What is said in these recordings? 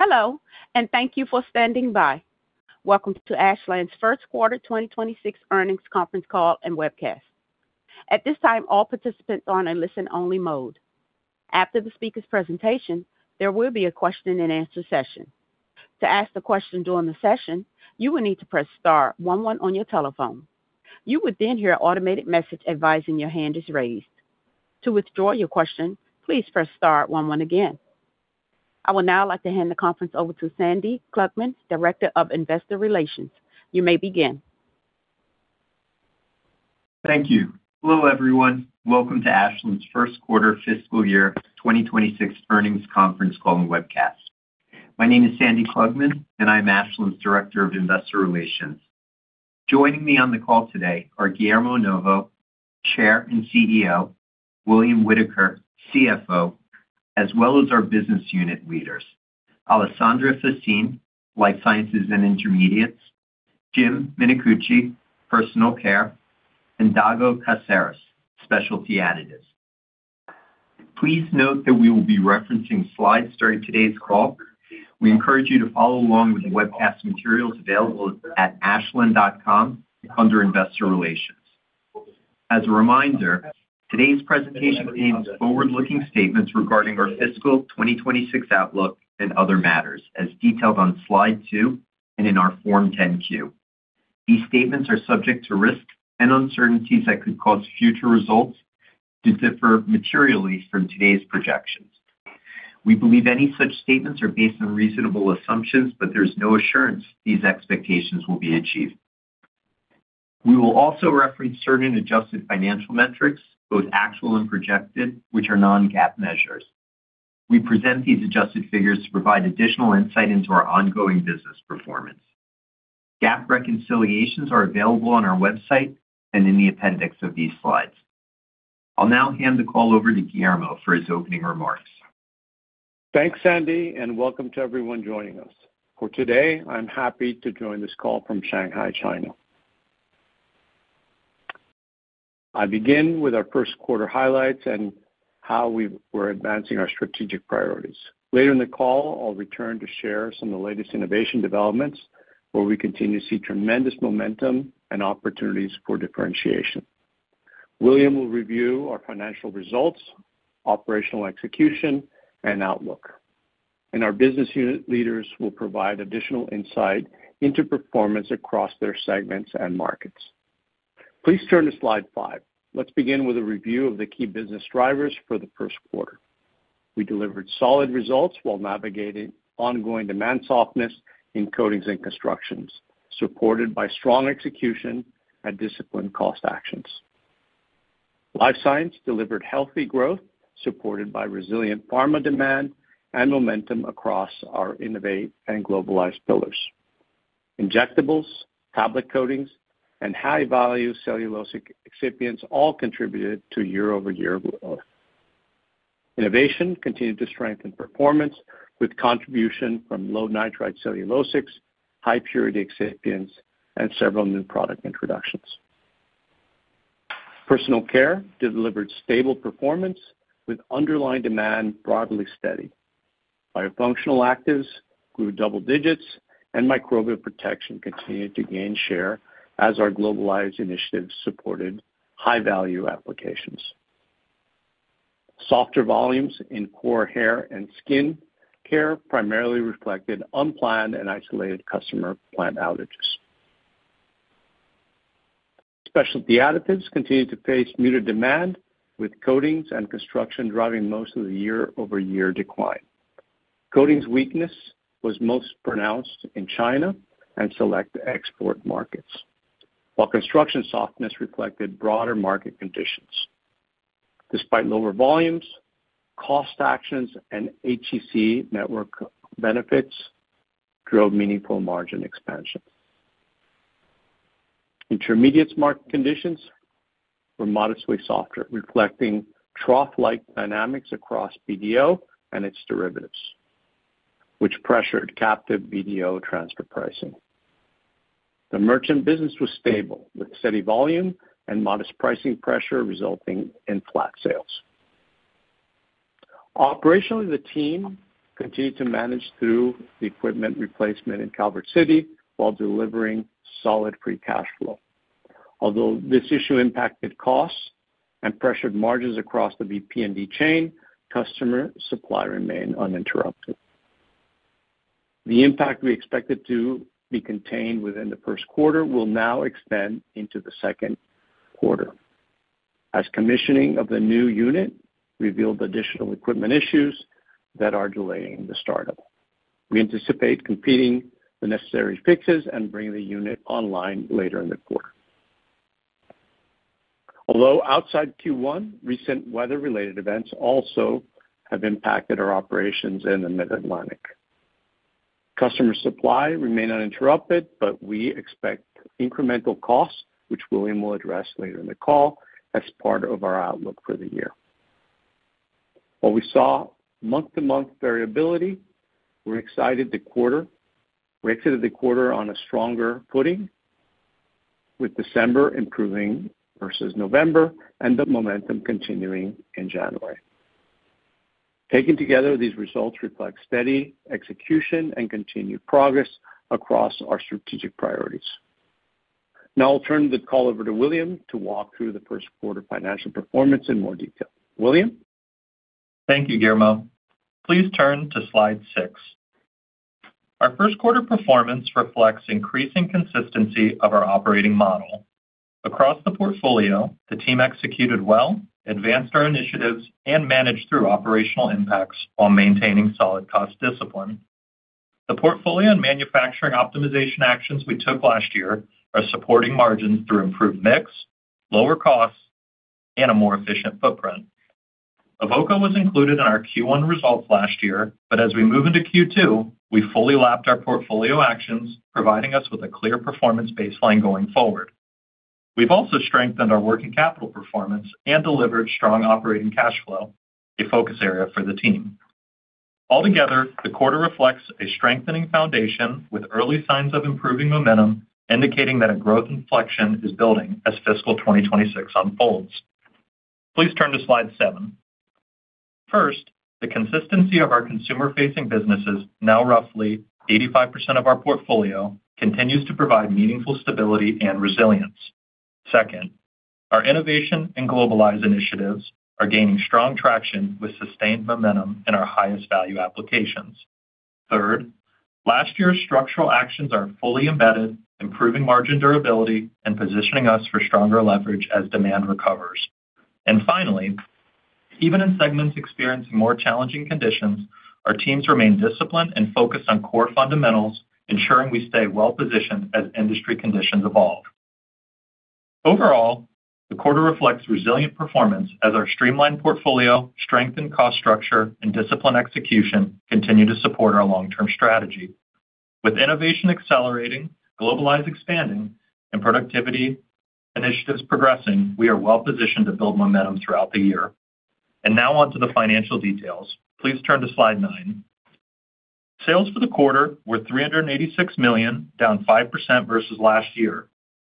Hello, and thank you for standing by. Welcome to Ashland's First Quarter 2026 Earnings Conference Call and Webcast. At this time, all participants are on a listen-only mode. After the speaker's presentation, there will be a question-and-answer session. To ask the question during the session, you will need to press star one one on your telephone. You would then hear an automated message advising your hand is raised. To withdraw your question, please press star one one again. I would now like to hand the conference over to Sandy Klugman, Director of Investor Relations. You may begin. Thank you. Hello, everyone. Welcome to Ashland's First Quarter Fiscal Year 2026 Earnings Conference Call and Webcast. My name is Sandy Klugman, and I'm Ashland's Director of Investor Relations. Joining me on the call today are Guillermo Novo, Chair and CEO, William Whitaker, CFO, as well as our business unit leaders, Alessandra Faccin, Life Sciences and Intermediates, Jim Minicucci, Personal Care, and Dago Caceres, Specialty Additives. Please note that we will be referencing slides during today's call. We encourage you to follow along with the webcast materials available at ashland.com under Investor Relations. As a reminder, today's presentation contains forward-looking statements regarding our fiscal 2026 outlook and other matters, as detailed on slide two and in our Form 10-Q. These statements are subject to risks and uncertainties that could cause future results to differ materially from today's projections. We believe any such statements are based on reasonable assumptions, but there's no assurance these expectations will be achieved. We will also reference certain adjusted financial metrics, both actual and projected, which are non-GAAP measures. We present these adjusted figures to provide additional insight into our ongoing business performance. GAAP reconciliations are available on our website and in the appendix of these slides. I'll now hand the call over to Guillermo for his opening remarks. Thanks, Sandy, and welcome to everyone joining us. For today, I'm happy to join this call from Shanghai, China. I begin with our first quarter highlights and how we're advancing our strategic priorities. Later in the call, I'll return to share some of the latest innovation developments, where we continue to see tremendous momentum and opportunities for differentiation. William will review our financial results, operational execution, and outlook, and our business unit leaders will provide additional insight into performance across their segments and markets. Please turn to slide five. Let's begin with a review of the key business drivers for the first quarter. We delivered solid results while navigating ongoing demand softness in coatings and constructions, supported by strong execution and disciplined cost actions. Life Sciences delivered healthy growth, supported by resilient pharma demand and momentum across our Innovate and Globalized pillars. Injectables, tablet coatings, and high-value cellulosic excipients all contributed to year-over-year growth. Innovation continued to strengthen performance, with contribution from low-nitrite cellulosics, high-purity excipients, and several new product introductions. Personal care delivered stable performance with underlying demand broadly steady. Biofunctional actives grew double digits, and microbial protection continued to gain share as our Globalized initiatives supported high-value applications. Softer volumes in core hair and skin care primarily reflected unplanned and isolated customer plant outages. Specialty additives continued to face muted demand, with coatings and construction driving most of the year-over-year decline. Coatings weakness was most pronounced in China and select export markets, while construction softness reflected broader market conditions. Despite lower volumes, cost actions and HEC network benefits drove meaningful margin expansion. Intermediates market conditions were modestly softer, reflecting trough-like dynamics across BDO and its derivatives, which pressured captive BDO transfer pricing. The merchant business was stable, with steady volume and modest pricing pressure resulting in flat sales. Operationally, the team continued to manage through the equipment replacement in Calvert City while delivering solid free cash flow. Although this issue impacted costs and pressured margins across the VP&D chain, customer supply remained uninterrupted. The impact we expected to be contained within the Q1 will now extend into the second quarter as commissioning of the new unit revealed additional equipment issues that are delaying the startup. We anticipate completing the necessary fixes and bringing the unit online later in the quarter. Although outside Q1, recent weather-related events also have impacted our operations in the Mid-Atlantic. Customer supply remained uninterrupted, but we expect incremental costs, which William will address later in the call as part of our outlook for the year. While we saw month-to-month variability, we're excited the quarter, we exited the quarter on a stronger footing... with December improving versus November and the momentum continuing in January. Taken together, these results reflect steady execution and continued progress across our strategic priorities. Now I'll turn the call over to William to walk through the first quarter financial performance in more detail. William? Thank you, Guillermo. Please turn to slide six. Our first quarter performance reflects increasing consistency of our operating model. Across the portfolio, the team executed well, advanced our initiatives, and managed through operational impacts while maintaining solid cost discipline. The portfolio and manufacturing optimization actions we took last year are supporting margins through improved mix, lower costs, and a more efficient footprint. Avoca was included in our Q1 results last year, but as we move into Q2, we fully lapped our portfolio actions, providing us with a clear performance baseline going forward. We've also strengthened our working capital performance and delivered strong operating cash flow, a focus area for the team. Altogether, the quarter reflects a strengthening foundation with early signs of improving momentum, indicating that a growth inflection is building as fiscal 2026 unfolds. Please turn to slide seven. First, the consistency of our consumer-facing businesses, now roughly 85% of our portfolio, continues to provide meaningful stability and resilience. Second, our innovation and Globalized initiatives are gaining strong traction with sustained momentum in our highest value applications. Third, last year's structural actions are fully embedded, improving margin durability and positioning us for stronger leverage as demand recovers. And finally, even in segments experiencing more challenging conditions, our teams remain disciplined and focused on core fundamentals, ensuring we stay well-positioned as industry conditions evolve. Overall, the quarter reflects resilient performance as our streamlined portfolio, strengthened cost structure, and disciplined execution continue to support our long-term strategy. With innovation accelerating, Globalized expanding, and productivity initiatives progressing, we are well positioned to build momentum throughout the year. Now on to the financial details. Please turn to slide 9. Sales for the quarter were $386 million, down 5% versus last year.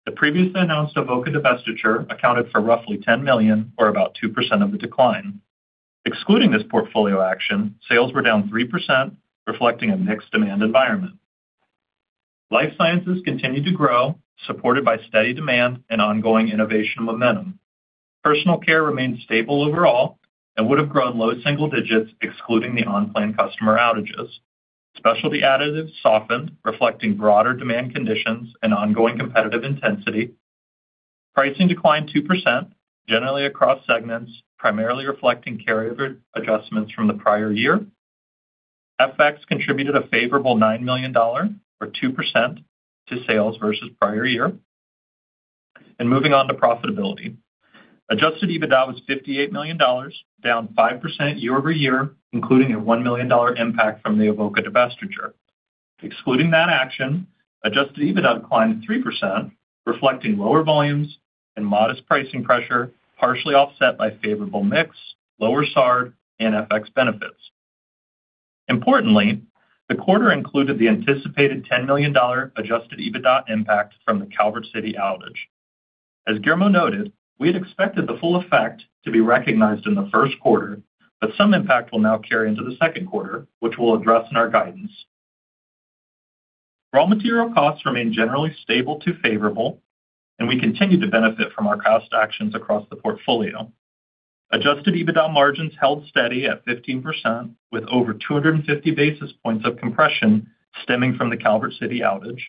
The previously announced Avoca divestiture accounted for roughly $10 million, or about 2% of the decline. Excluding this portfolio action, sales were down 3%, reflecting a mixed demand environment. Life Sciences continued to grow, supported by steady demand and ongoing innovation momentum. Personal Care remained stable overall and would have grown low single digits, excluding the on-plan customer outages. Specialty Additives softened, reflecting broader demand conditions and ongoing competitive intensity. Pricing declined 2%, generally across segments, primarily reflecting carrier adjustments from the prior year. FX contributed a favorable $9 million, or 2%, to sales versus prior year. Moving on to profitability. Adjusted EBITDA was $58 million, down 5% year-over-year, including a $1 million impact from the Avoca divestiture. Excluding that action, adjusted EBITDA declined 3%, reflecting lower volumes and modest pricing pressure, partially offset by favorable mix, lower SAR, and FX benefits. Importantly, the quarter included the anticipated $10 million adjusted EBITDA impact from the Calvert City outage. As Guillermo noted, we had expected the full effect to be recognized in the first quarter, but some impact will now carry into the second quarter, which we'll address in our guidance. Raw material costs remain generally stable to favorable, and we continue to benefit from our cost actions across the portfolio. Adjusted EBITDA margins held steady at 15%, with over 250 basis points of compression stemming from the Calvert City outage.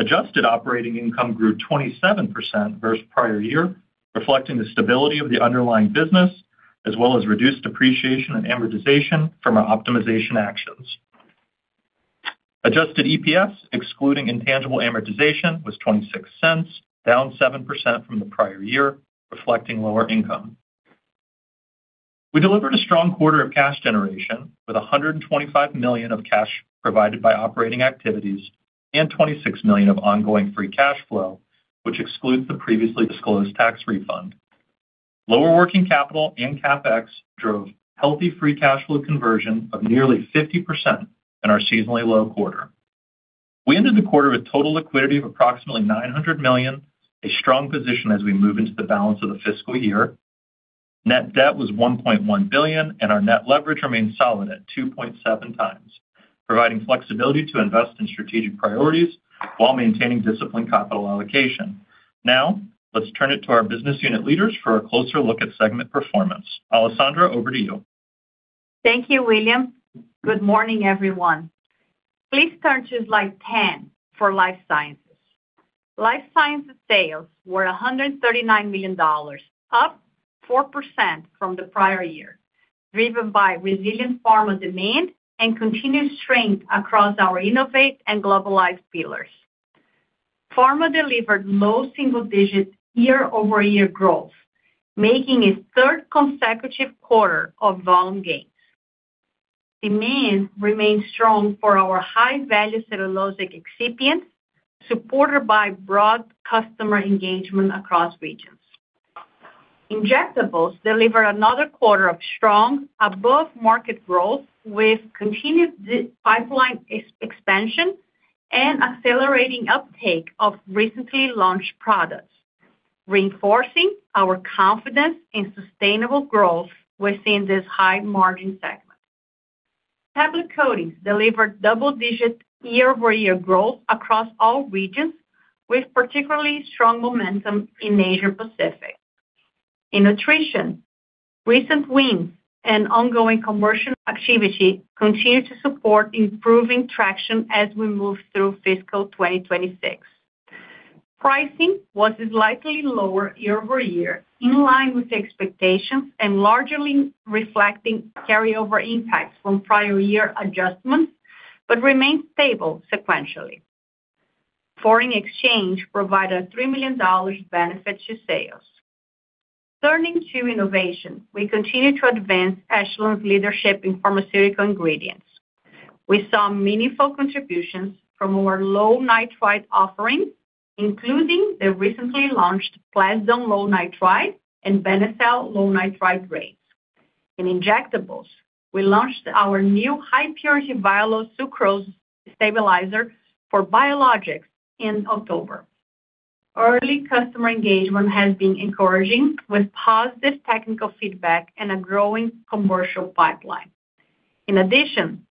Adjusted operating income grew 27% versus prior year, reflecting the stability of the underlying business, as well as reduced depreciation and amortization from our optimization actions. Adjusted EPS, excluding intangible amortization, was $0.26, down 7% from the prior year, reflecting lower income. We delivered a strong quarter of cash generation, with $125 million of cash provided by operating activities and $26 million of ongoing free cash flow, which excludes the previously disclosed tax refund. Lower working capital and CapEx drove healthy free cash flow conversion of nearly 50% in our seasonally low quarter. We ended the quarter with total liquidity of approximately $900 million, a strong position as we move into the balance of the fiscal year. Net debt was $1.1 billion, and our net leverage remains solid at 2.7x, providing flexibility to invest in strategic priorities while maintaining disciplined capital allocation. Now, let's turn it to our business unit leaders for a closer look at segment performance. Alessandra, over to you. Thank you, William. Good morning, everyone. Please turn to slide 10 for Life Sciences. Life Sciences sales were $139 million, up 4% from the prior year, driven by resilient pharma demand and continued strength across our Innovate and Globalize pillars. Pharma delivered low single-digit year-over-year growth, making a third consecutive quarter of volume gains. Demand remains strong for our high-value cellulosic excipient, supported by broad customer engagement across regions. Injectables delivered another quarter of strong, above-market growth, with continued pipeline expansion and accelerating uptake of recently launched products, reinforcing our confidence in sustainable growth within this high-margin segment. Tablet coatings delivered double-digit year-over-year growth across all regions, with particularly strong momentum in Asia Pacific. In nutrition, recent wins and ongoing commercial activity continue to support improving traction as we move through fiscal 2026. Pricing was slightly lower year-over-year, in line with expectations and largely reflecting carryover impacts from prior year adjustments, but remained stable sequentially. Foreign exchange provided $3 million benefit to sales. Turning to innovation, we continue to advance Ashland's leadership in pharmaceutical ingredients. We saw meaningful contributions from our low-nitrite offerings, including the recently launched Plasdone Low Nitrite and Benecel Low Nitrite grade. In injectables, we launched our new high-purity Vialo sucrose stabilizer for biologics in October. Early customer engagement has been encouraging, with positive technical feedback and a growing commercial pipeline. In addition,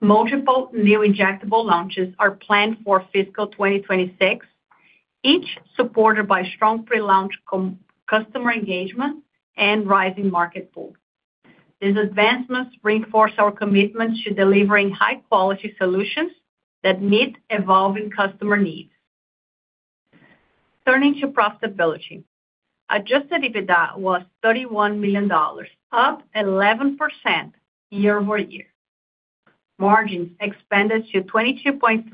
multiple new injectable launches are planned for fiscal 2026, each supported by strong pre-launch customer engagement and rising market pool. These advancements reinforce our commitment to delivering high-quality solutions that meet evolving customer needs. Turning to profitability. Adjusted EBITDA was $31 million, up 11% year-over-year. Margins expanded to 22.3%,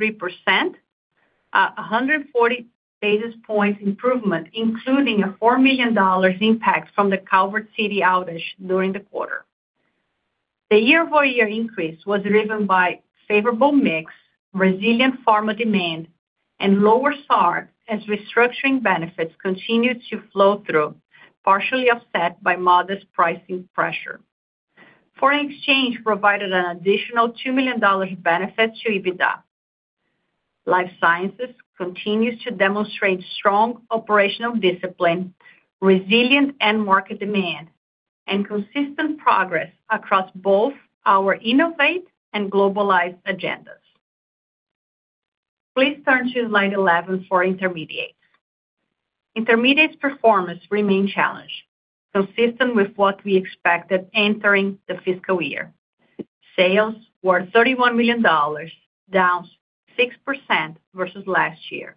140 basis points improvement, including a $4 million impact from the Calvert City outage during the quarter. The year-over-year increase was driven by favorable mix, resilient pharma demand, and lower SAR as restructuring benefits continued to flow through, partially offset by modest pricing pressure. Foreign exchange provided an additional $2 million benefit to EBITDA. Life Sciences continues to demonstrate strong operational discipline, resilient end market demand, and consistent progress across both our Innovate and Globalize agendas. Please turn to slide 11 for Intermediates. Intermediates performance remained challenged, consistent with what we expected entering the fiscal year. Sales were $31 million, down 6% versus last year.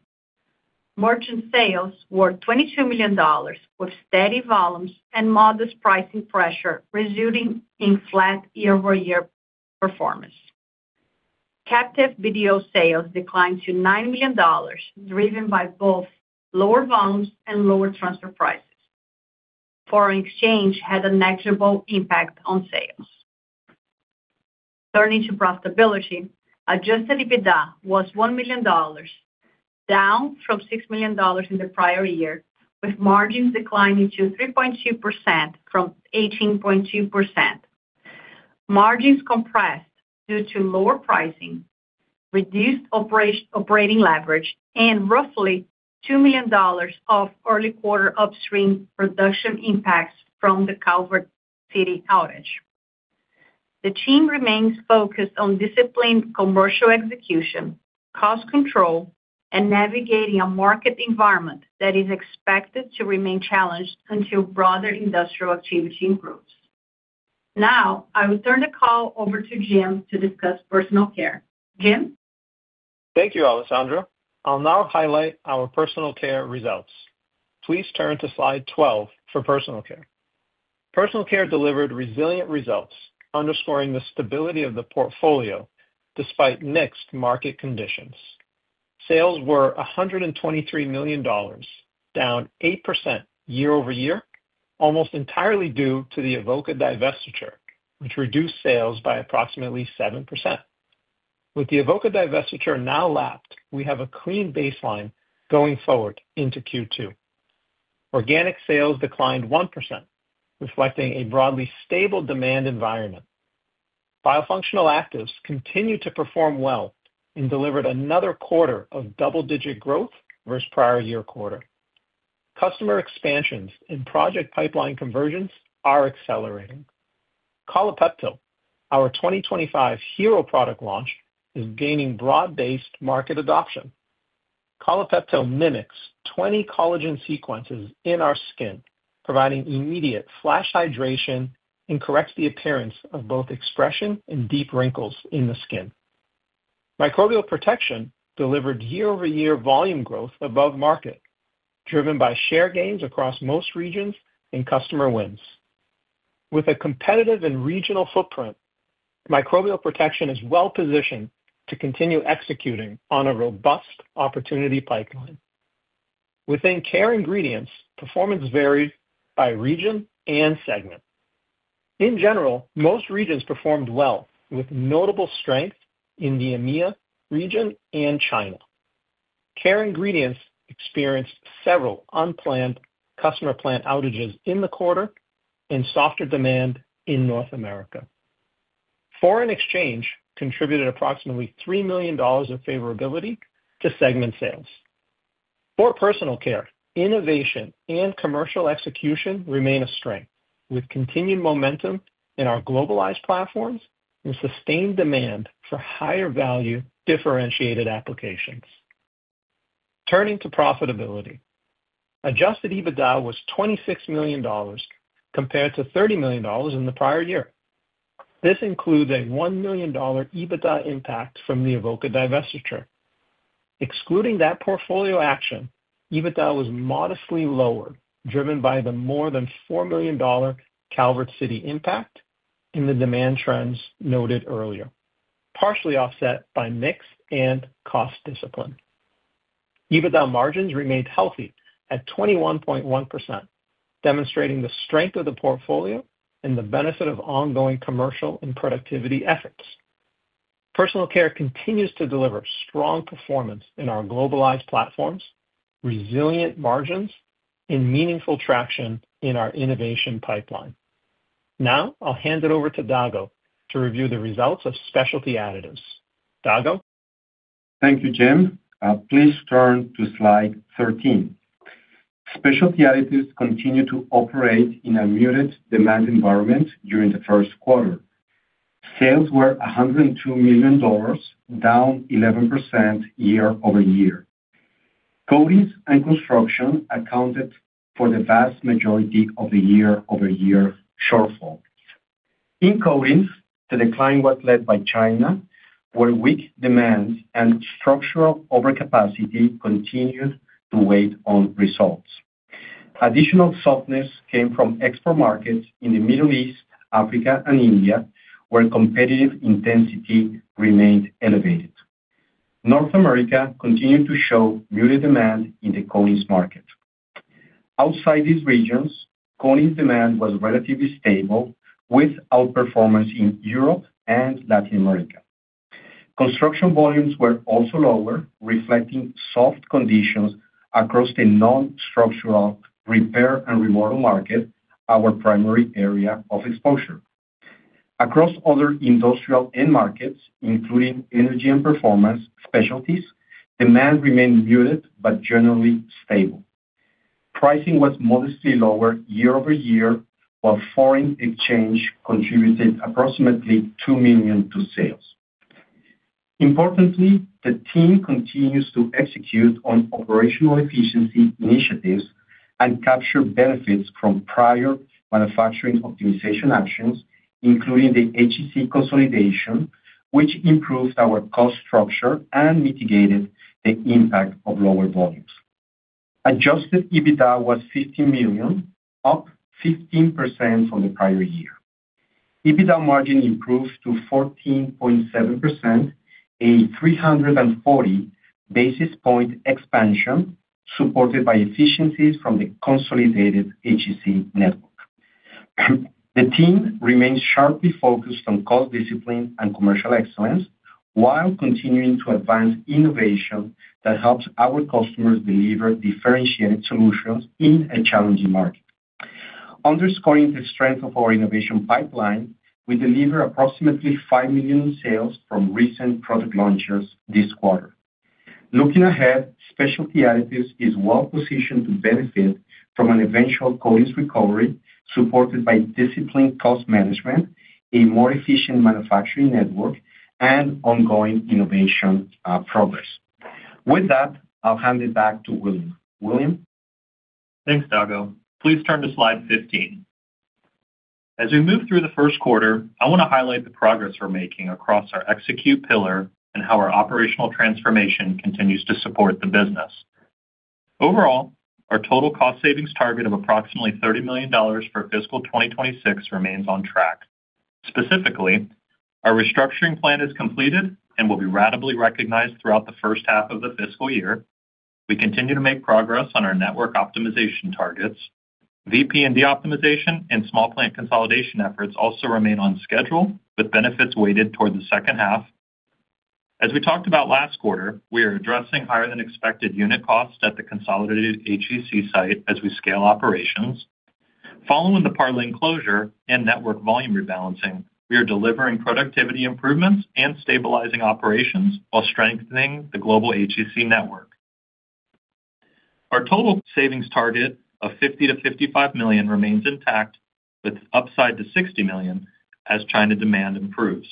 Merchant sales were $22 million, with steady volumes and modest pricing pressure, resulting in flat year-over-year performance. Captive BDO sales declined to $9 million, driven by both lower volumes and lower transfer prices. Foreign exchange had a negligible impact on sales. Turning to profitability, adjusted EBITDA was $1 million, down from $6 million in the prior year, with margins declining to 3.2% from 18.2%. Margins compressed due to lower pricing, reduced operating leverage, and roughly $2 million of early quarter upstream production impacts from the Calvert City outage. The team remains focused on disciplined commercial execution, cost control, and navigating a market environment that is expected to remain challenged until broader industrial activity improves. Now, I will turn the call over to Jim to discuss personal care. Jim? Thank you, Alessandra. I'll now highlight our personal care results. Please turn to slide 12 for personal care. Personal care delivered resilient results, underscoring the stability of the portfolio despite mixed market conditions. Sales were $123 million, down 8% year-over-year, almost entirely due to the Avoca divestiture, which reduced sales by approximately 7%. With the Avoca divestiture now lapped, we have a clean baseline going forward into Q2. Organic sales declined 1%, reflecting a broadly stable demand environment. Biofunctional actives continued to perform well and delivered another quarter of double-digit growth versus prior-year quarter. Customer expansions and project pipeline conversions are accelerating. Collapeptyl, our 2025 hero product launch, is gaining broad-based market adoption. Collapeptyl mimics 20 collagen sequences in our skin, providing immediate flash hydration and corrects the appearance of both expression and deep wrinkles in the skin. Microbial protection delivered year-over-year volume growth above market, driven by share gains across most regions and customer wins. With a competitive and regional footprint, microbial protection is well positioned to continue executing on a robust opportunity pipeline. Within care ingredients, performance varied by region and segment. In general, most regions performed well, with notable strength in the EMEA region and China. Care ingredients experienced several unplanned customer plant outages in the quarter and softer demand in North America. Foreign exchange contributed approximately $3 million of favorability to segment sales. For personal care, innovation and commercial execution remain a strength, with continued momentum in our Globalized platforms and sustained demand for higher value differentiated applications. Turning to profitability. Adjusted EBITDA was $26 million, compared to $30 million in the prior year. This includes a $1 million EBITDA impact from the Avoca divestiture. Excluding that portfolio action, EBITDA was modestly lower, driven by the more than $4 million Calvert City impact and the demand trends noted earlier, partially offset by mix and cost discipline. EBITDA margins remained healthy at 21.1%, demonstrating the strength of the portfolio and the benefit of ongoing commercial and productivity efforts. Personal Care continues to deliver strong performance in our Globalized platforms, resilient margins, and meaningful traction in our innovation pipeline. Now I'll hand it over to Dago to review the results of Specialty Additives. Dago? Thank you, Jim. Please turn to slide 13. Specialty Additives continue to operate in a muted demand environment during the first quarter. Sales were $102 million, down 11% year-over-year. Coatings and construction accounted for the vast majority of the year-over-year shortfall. In coatings, the decline was led by China, where weak demand and structural overcapacity continued to weigh on results. Additional softness came from export markets in the Middle East, Africa, and India, where competitive intensity remained elevated. North America continued to show muted demand in the coatings market. Outside these regions, coatings demand was relatively stable, with outperformance in Europe and Latin America. Construction volumes were also lower, reflecting soft conditions across the non-structural repair and remodel market, our primary area of exposure. Across other industrial end markets, including energy and performance specialties, demand remained muted but generally stable. Pricing was modestly lower year over year, while foreign exchange contributed approximately $2 million to sales. Importantly, the team continues to execute on operational efficiency initiatives and capture benefits from prior manufacturing optimization actions, including the HEC consolidation, which improved our cost structure and mitigated the impact of lower volumes. Adjusted EBITDA was $15 million, up 15% from the prior year. EBITDA margin improved to 14.7%, a 340 basis point expansion, supported by efficiencies from the consolidated HEC network. The team remains sharply focused on cost discipline and commercial excellence while continuing to advance innovation that helps our customers deliver differentiated solutions in a challenging market. Underscoring the strength of our innovation pipeline, we deliver approximately $5 million in sales from recent product launches this quarter. Looking ahead, Specialty Additives is well positioned to benefit from an eventual coatings recovery, supported by disciplined cost management, a more efficient manufacturing network, and ongoing innovation, progress. With that, I'll hand it back to William. William? Thanks, Dago. Please turn to slide 15. As we move through the first quarter, I wanna highlight the progress we're making across our execute pillar and how our operational transformation continues to support the business. Overall, our total cost savings target of approximately $30 million for fiscal 2026 remains on track. Specifically, our restructuring plan is completed and will be ratably recognized throughout the first half of the fiscal year. We continue to make progress on our network optimization targets. VP&D optimization and small plant consolidation efforts also remain on schedule, with benefits weighted toward the second half. As we talked about last quarter, we are addressing higher-than-expected unit costs at the consolidated HEC site as we scale operations. Following the Parlin closure and network volume rebalancing, we are delivering productivity improvements and stabilizing operations while strengthening the global HEC network. Our total savings target of $50-$55 million remains intact, with upside to $60 million as China demand improves.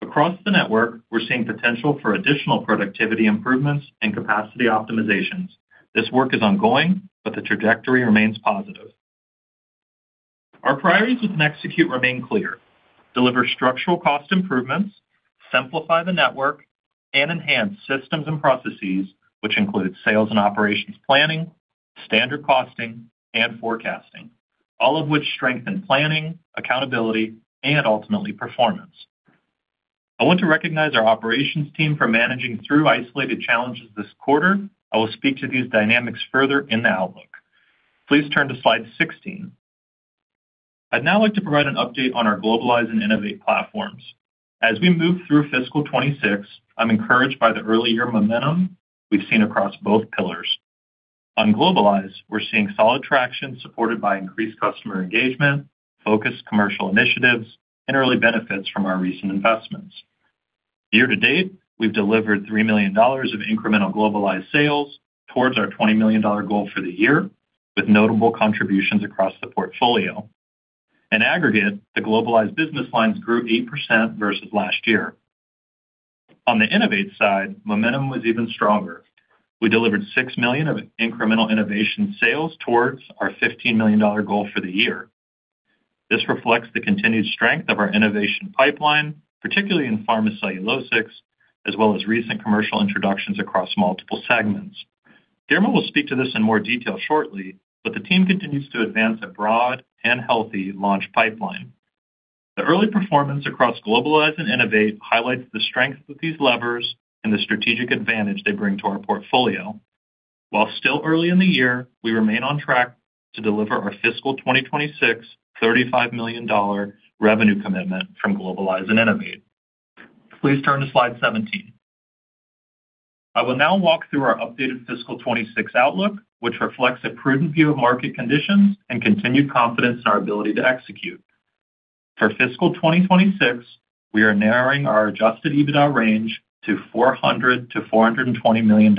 Across the network, we're seeing potential for additional productivity improvements and capacity optimizations. This work is ongoing, but the trajectory remains positive. Our priorities with execute remain clear: deliver structural cost improvements, simplify the network, and enhance systems and processes, which include sales and operations planning, standard costing, and forecasting, all of which strengthen planning, accountability, and ultimately, performance. I want to recognize our operations team for managing through isolated challenges this quarter. I will speak to these dynamics further in the outlook. Please turn to slide 16.... I'd now like to provide an update on our Globalize and Innovate platforms. As we move through fiscal 2026, I'm encouraged by the early year momentum we've seen across both pillars. On Globalize, we're seeing solid traction, supported by increased customer engagement, focused commercial initiatives, and early benefits from our recent investments. Year to date, we've delivered $3 million of incremental Globalized sales towards our $20 million goal for the year, with notable contributions across the portfolio. In aggregate, the Globalized business lines grew 8% versus last year. On the Innovate side, momentum was even stronger. We delivered $6 million of incremental innovation sales towards our $15 million goal for the year. This reflects the continued strength of our innovation pipeline, particularly in pharma cellulosic, as well as recent commercial introductions across multiple segments. Guillermo will speak to this in more detail shortly, but the team continues to advance a broad and healthy launch pipeline. The early performance across Globalize and Innovate highlights the strength of these levers and the strategic advantage they bring to our portfolio. While still early in the year, we remain on track to deliver our fiscal 2026 $35 million revenue commitment from Globalize and Innovate. Please turn to slide 17. I will now walk through our updated fiscal 2026 outlook, which reflects a prudent view of market conditions and continued confidence in our ability to execute. For fiscal 2026, we are narrowing our adjusted EBITDA range to $400 million-$420 million.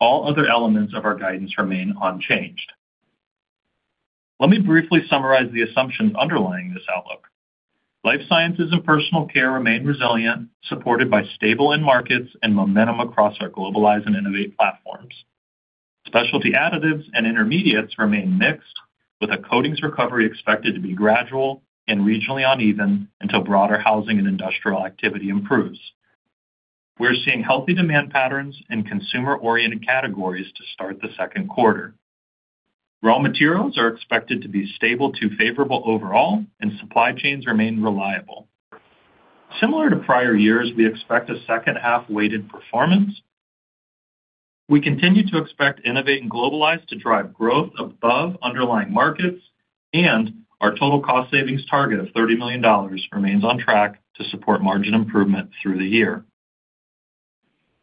All other elements of our guidance remain unchanged. Let me briefly summarize the assumptions underlying this outlook. Life Sciences and Personal Care remain resilient, supported by stable end markets and momentum across our Globalize and Innovate platforms. Specialty Additives and Intermediates remain mixed, with a coatings recovery expected to be gradual and regionally uneven until broader housing and industrial activity improves. We're seeing healthy demand patterns in consumer-oriented categories to start the second quarter. Raw materials are expected to be stable to favorable overall, and supply chains remain reliable. Similar to prior years, we expect a second half-weighted performance. We continue to expect Innovate and Globalize to drive growth above underlying markets, and our total cost savings target of $30 million remains on track to support margin improvement through the year.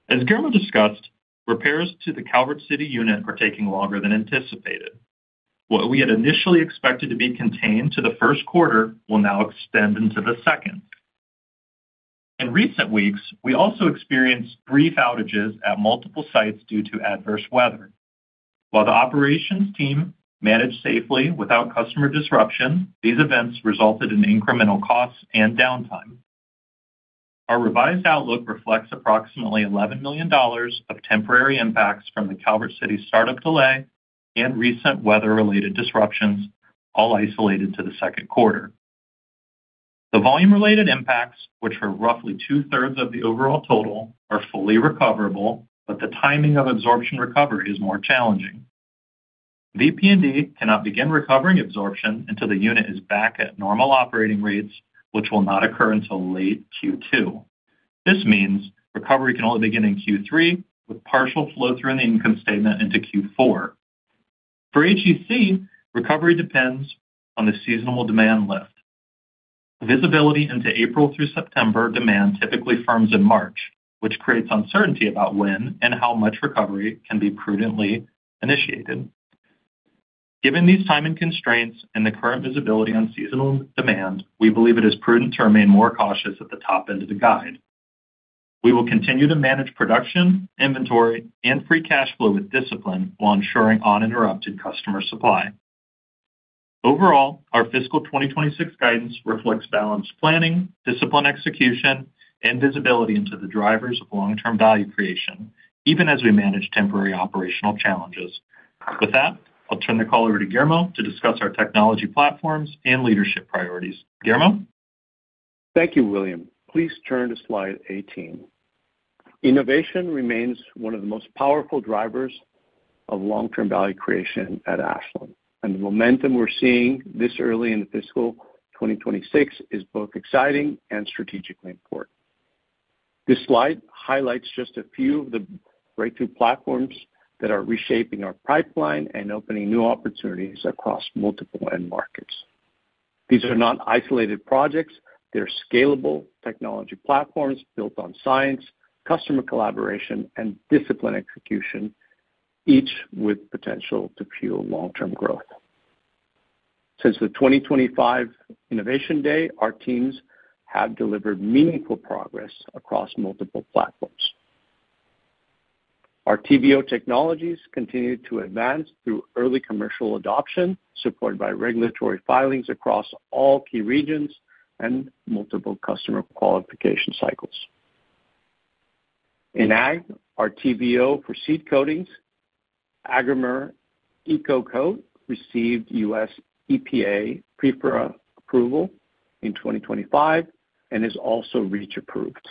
As Guillermo discussed, repairs to the Calvert City unit are taking longer than anticipated. What we had initially expected to be contained to the first quarter will now extend into the second. In recent weeks, we also experienced brief outages at multiple sites due to adverse weather. While the operations team managed safely without customer disruption, these events resulted in incremental costs and downtime. Our revised outlook reflects approximately $11 million of temporary impacts from the Calvert City startup delay and recent weather-related disruptions, all isolated to the second quarter. The volume-related impacts, which are roughly 2/3 of the overall total, are fully recoverable, but the timing of absorption recovery is more challenging. VP&D cannot begin recovering absorption until the unit is back at normal operating rates, which will not occur until late Q2. This means recovery can only begin in Q3, with partial flow through in the income statement into Q4. For HEC, recovery depends on the seasonal demand lift. Visibility into April through September demand typically firms in March, which creates uncertainty about when and how much recovery can be prudently initiated. Given these timing constraints and the current visibility on seasonal demand, we believe it is prudent to remain more cautious at the top end of the guide. We will continue to manage production, inventory, and free cash flow with discipline, while ensuring uninterrupted customer supply. Overall, our fiscal 2026 guidance reflects balanced planning, disciplined execution, and visibility into the drivers of long-term value creation, even as we manage temporary operational challenges. With that, I'll turn the call over to Guillermo to discuss our technology platforms and leadership priorities. Guillermo? Thank you, William. Please turn to slide 18. Innovation remains one of the most powerful drivers of long-term value creation at Ashland, and the momentum we're seeing this early in the fiscal 2026 is both exciting and strategically important. This slide highlights just a few of the breakthrough platforms that are reshaping our pipeline and opening new opportunities across multiple end markets. These are not isolated projects. They're scalable technology platforms built on science, customer collaboration, and discipline execution, each with potential to fuel long-term growth. Since the 2025 Innovation Day, our teams have delivered meaningful progress across multiple platforms. Our TBO technologies continue to advance through early commercial adoption, supported by regulatory filings across all key regions and multiple customer qualification cycles. In ag, our TBO for seed coatings, Agrimer EcoCoat, received U.S. EPA approval in 2025 and is also REACH approved.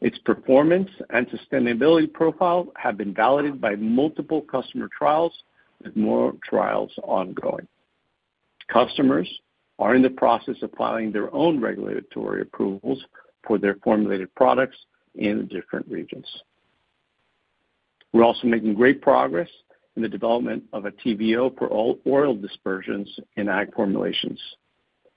Its performance and sustainability profile have been validated by multiple customer trials, with more trials ongoing. Customers are in the process of filing their own regulatory approvals for their formulated products in different regions.... We're also making great progress in the development of a TBO for all oil dispersions in ag formulations.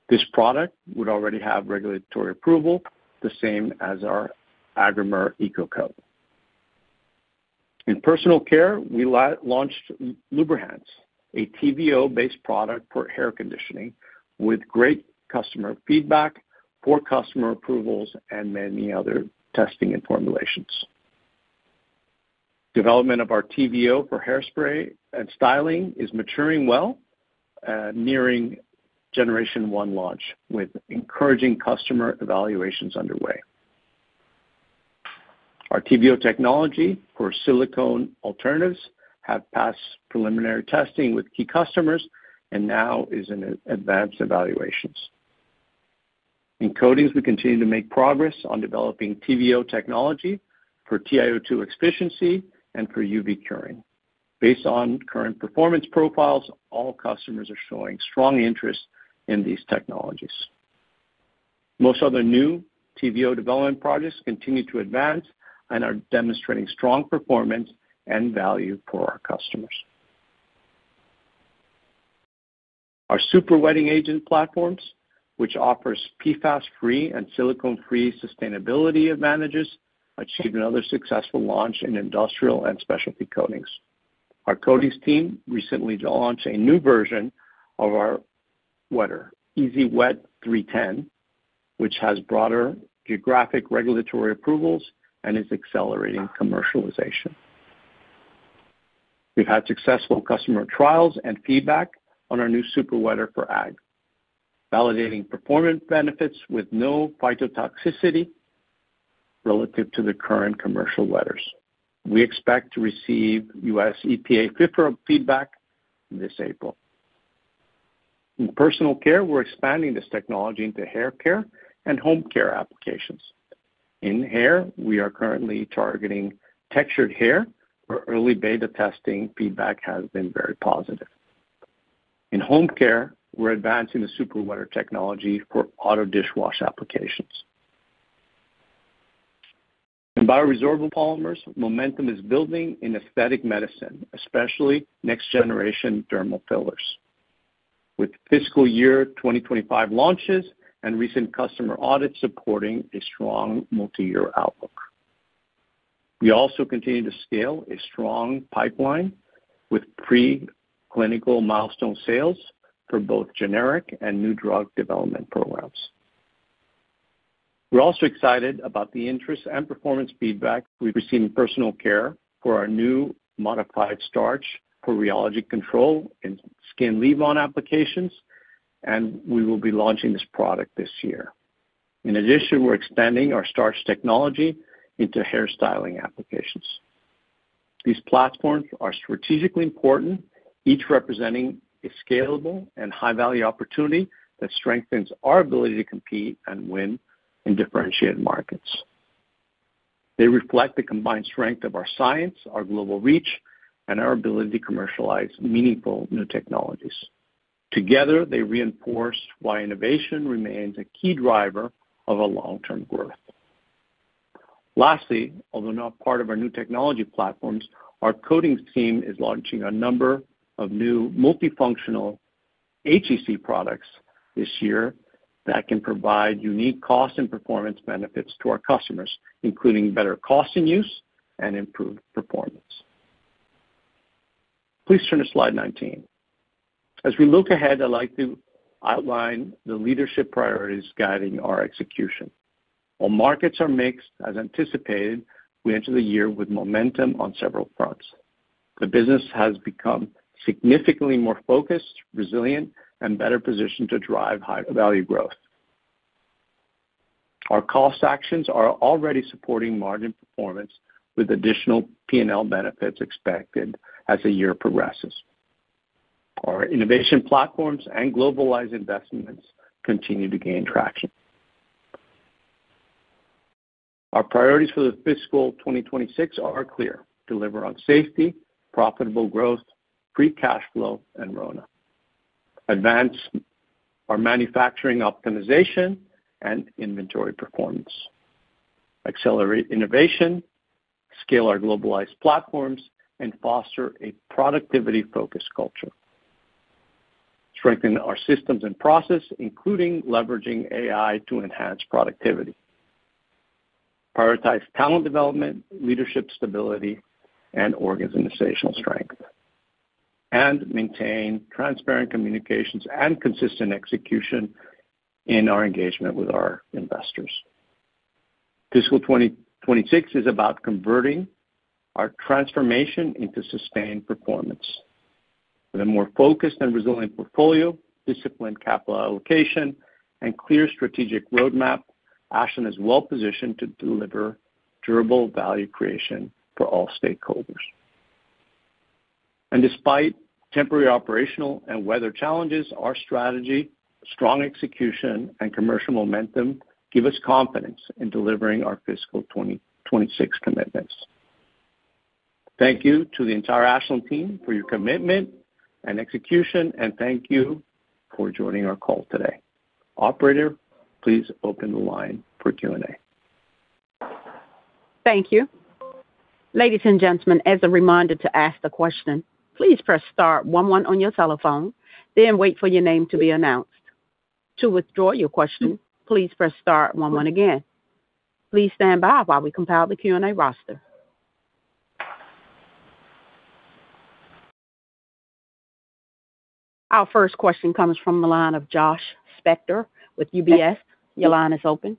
This product would already have regulatory approval, the same as our Agrimer EcoCoat. In personal care, we launched Lubrihance, a TBO-based product for hair conditioning, with great customer feedback, four customer approvals, and many other testing and formulations. Development of our TBO for hairspray and styling is maturing well, nearing generation one launch, with encouraging customer evaluations underway. Our TBO technology for silicone alternatives have passed preliminary testing with key customers and now is in advanced evaluations. In coatings, we continue to make progress on developing TBO technology for TiO2 efficiency and for UV curing. Based on current performance profiles, all customers are showing strong interest in these technologies. Most other new TBO development projects continue to advance and are demonstrating strong performance and value for our customers. Our superwetting agent platforms, which offers PFAS-free and silicone-free sustainability advantages, achieved another successful launch in industrial and specialty coatings. Our coatings team recently launched a new version of our wetter, Easy-Wet 310, which has broader geographic regulatory approvals and is accelerating commercialization. We've had successful customer trials and feedback on our new super wetter for ag, validating performance benefits with no phytotoxicity relative to the current commercial wetters. We expect to receive US EPA feedback this April. In personal care, we're expanding this technology into hair care and home care applications. In hair, we are currently targeting textured hair, where early beta testing feedback has been very positive. In home care, we're advancing the superwetter technology for auto dishwash applications. In bioresorbable polymers, momentum is building in aesthetic medicine, especially next-generation dermal fillers, with fiscal year 2025 launches and recent customer audits supporting a strong multiyear outlook. We also continue to scale a strong pipeline with preclinical milestone sales for both generic and new drug development programs. We're also excited about the interest and performance feedback we've received in personal care for our new modified starch for rheology control in skin leave-on applications, and we will be launching this product this year. In addition, we're expanding our starch technology into hair styling applications. These platforms are strategically important, each representing a scalable and high-value opportunity that strengthens our ability to compete and win in differentiated markets. They reflect the combined strength of our science, our global reach, and our ability to commercialize meaningful new technologies. Together, they reinforce why innovation remains a key driver of a long-term growth. Lastly, although not part of our new technology platforms, our coatings team is launching a number of new multifunctional HEC products this year that can provide unique cost and performance benefits to our customers, including better cost and use and improved performance. Please turn to slide 19. As we look ahead, I'd like to outline the leadership priorities guiding our execution. While markets are mixed, as anticipated, we enter the year with momentum on several fronts. The business has become significantly more focused, resilient, and better positioned to drive higher value growth. Our cost actions are already supporting margin performance, with additional P&L benefits expected as the year progresses. Our innovation platforms and Globalized investments continue to gain traction. Our priorities for the fiscal 2026 are clear: deliver on safety, profitable growth, free cash flow, and RONA. Advance our manufacturing optimization and inventory performance. Accelerate innovation, scale our Globalized platforms, and foster a productivity-focused culture. Strengthen our systems and process, including leveraging AI, to enhance productivity. Prioritize talent development, leadership stability, and organizational strength, and maintain transparent communications and consistent execution in our engagement with our investors. Fiscal 2026 is about converting our transformation into sustained performance. With a more focused and resilient portfolio, disciplined capital allocation, and clear strategic roadmap, Ashland is well positioned to deliver durable value creation for all stakeholders. And despite temporary operational and weather challenges, our strategy, strong execution, and commercial momentum give us confidence in delivering our fiscal 2026 commitments. Thank you to the entire Ashland team for your commitment and execution, and thank you for joining our call today. Operator, please open the line for Q&A. Thank you. Ladies and gentlemen, as a reminder, to ask the question, please press star one one on your telephone, then wait for your name to be announced. To withdraw your question, please press star one one again. Please stand by while we compile the Q&A roster. Our first question comes from the line of Josh Spector with UBS. Your line is open.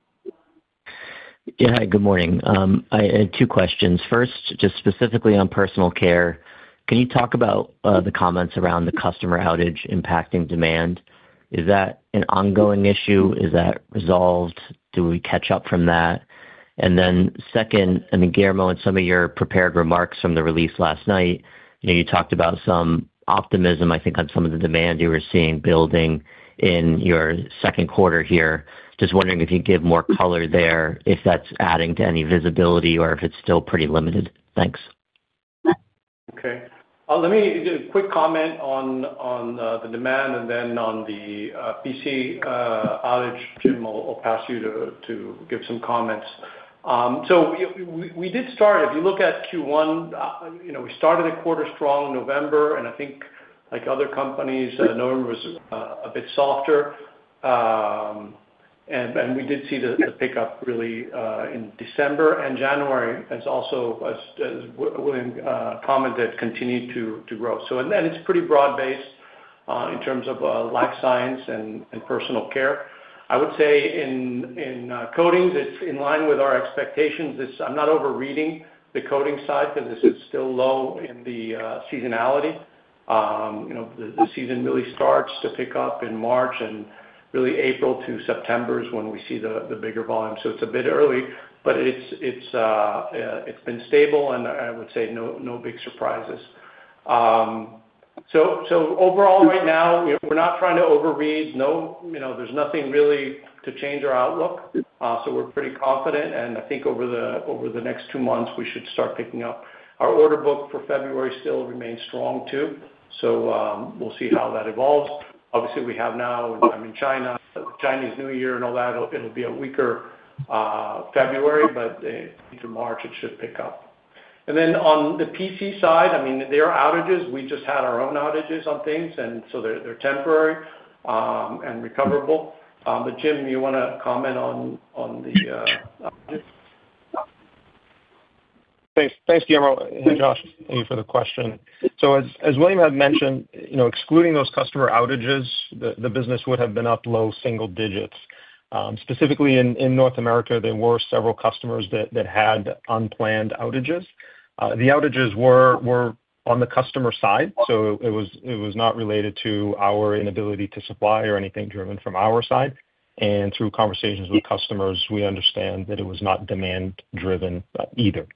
Yeah. Hi, good morning. I had two questions. First, just specifically on personal care, can you talk about the comments around the customer outage impacting demand? Is that an ongoing issue? Is that resolved? Do we catch up from that? And then second, I mean, Guillermo, in some of your prepared remarks from the release last night, you know, you talked about some optimism, I think, on some of the demand you were seeing building in your second quarter here. Just wondering if you could give more color there, if that's adding to any visibility or if it's still pretty limited. Thanks. Okay. Let me give a quick comment on the demand and then on the PC outage. Jim, I'll pass you to give some comments. So we did start, if you look at Q1, you know, we started the quarter strong in November, and I think like other companies, November was a bit softer. And we did see the pickup really in December and January as also as common that continued to grow. So and then it's pretty broad-based in terms of Life Sciences and Personal Care. I would say in coatings, it's in line with our expectations. It's. I'm not overreading the coatings side because this is still low in the seasonality. You know, the season really starts to pick up in March, and really April to September is when we see the bigger volume. So it's a bit early, but it's been stable, and I would say no big surprises. So overall, right now, you know, we're not trying to overread. No, you know, there's nothing really to change our outlook. So we're pretty confident, and I think over the next two months, we should start picking up. Our order book for February still remains strong, too, so we'll see how that evolves. Obviously, we have now time in China, Chinese New Year and all that. It'll be a weaker February, but into March, it should pick up. And then on the PC side, I mean, there are outages. We just had our own outages on things, and so they're, they're temporary, and recoverable. But Jim, you want to comment on, on the outages? Thanks. Thanks, Guillermo. And Josh, thank you for the question. So as William had mentioned, you know, excluding those customer outages, the business would have been up low single digits. Specifically in North America, there were several customers that had unplanned outages. The outages were on the customer side, so it was not related to our inability to supply or anything driven from our side. And through conversations with customers, we understand that it was not demand driven, either.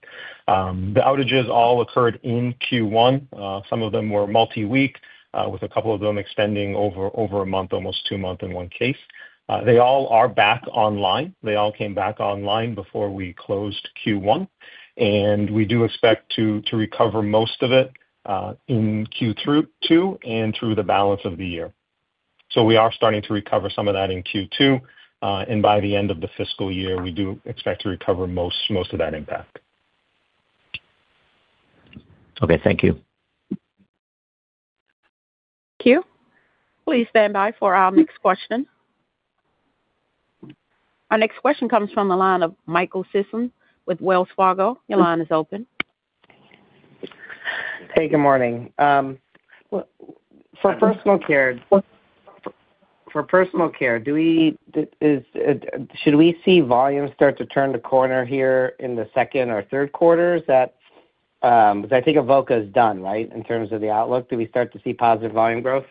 The outages all occurred in Q1. Some of them were multi-week, with a couple of them extending over a month, almost two months in one case. They all are back online. They all came back online before we closed Q1, and we do expect to recover most of it in Q2, and through the balance of the year. So we are starting to recover some of that in Q2, and by the end of the fiscal year, we do expect to recover most, most of that impact. Okay. Thank you. Thank you. Please stand by for our next question. Our next question comes from the line of Michael Sisson with Wells Fargo. Your line is open. Hey, good morning. For personal care, for personal care, should we see volumes start to turn the corner here in the second or third quarters? That, because I think Avoca is done, right, in terms of the outlook. Do we start to see positive volume growth?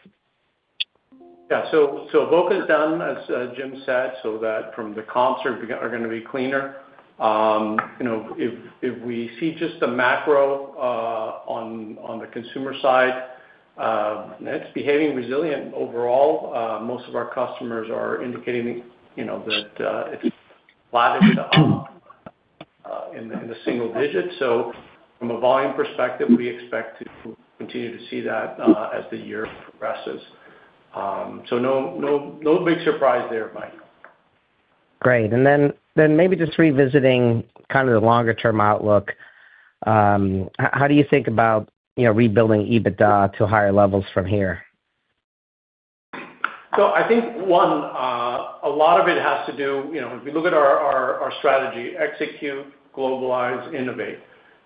Yeah, so Avoca is done, as Jim said, so that from the comps are gonna be cleaner. You know, if we see just the macro on the consumer side, it's behaving resilient overall. Most of our customers are indicating, you know, that it's flat to up in the single digits. So from a volume perspective, we expect to continue to see that as the year progresses. So no, no, no big surprise there, Mike. Great. And then maybe just revisiting kind of the longer term outlook, how do you think about, you know, rebuilding EBITDA to higher levels from here? So I think one, a lot of it has to do, you know, if you look at our strategy, execute, Globalize, Innovate.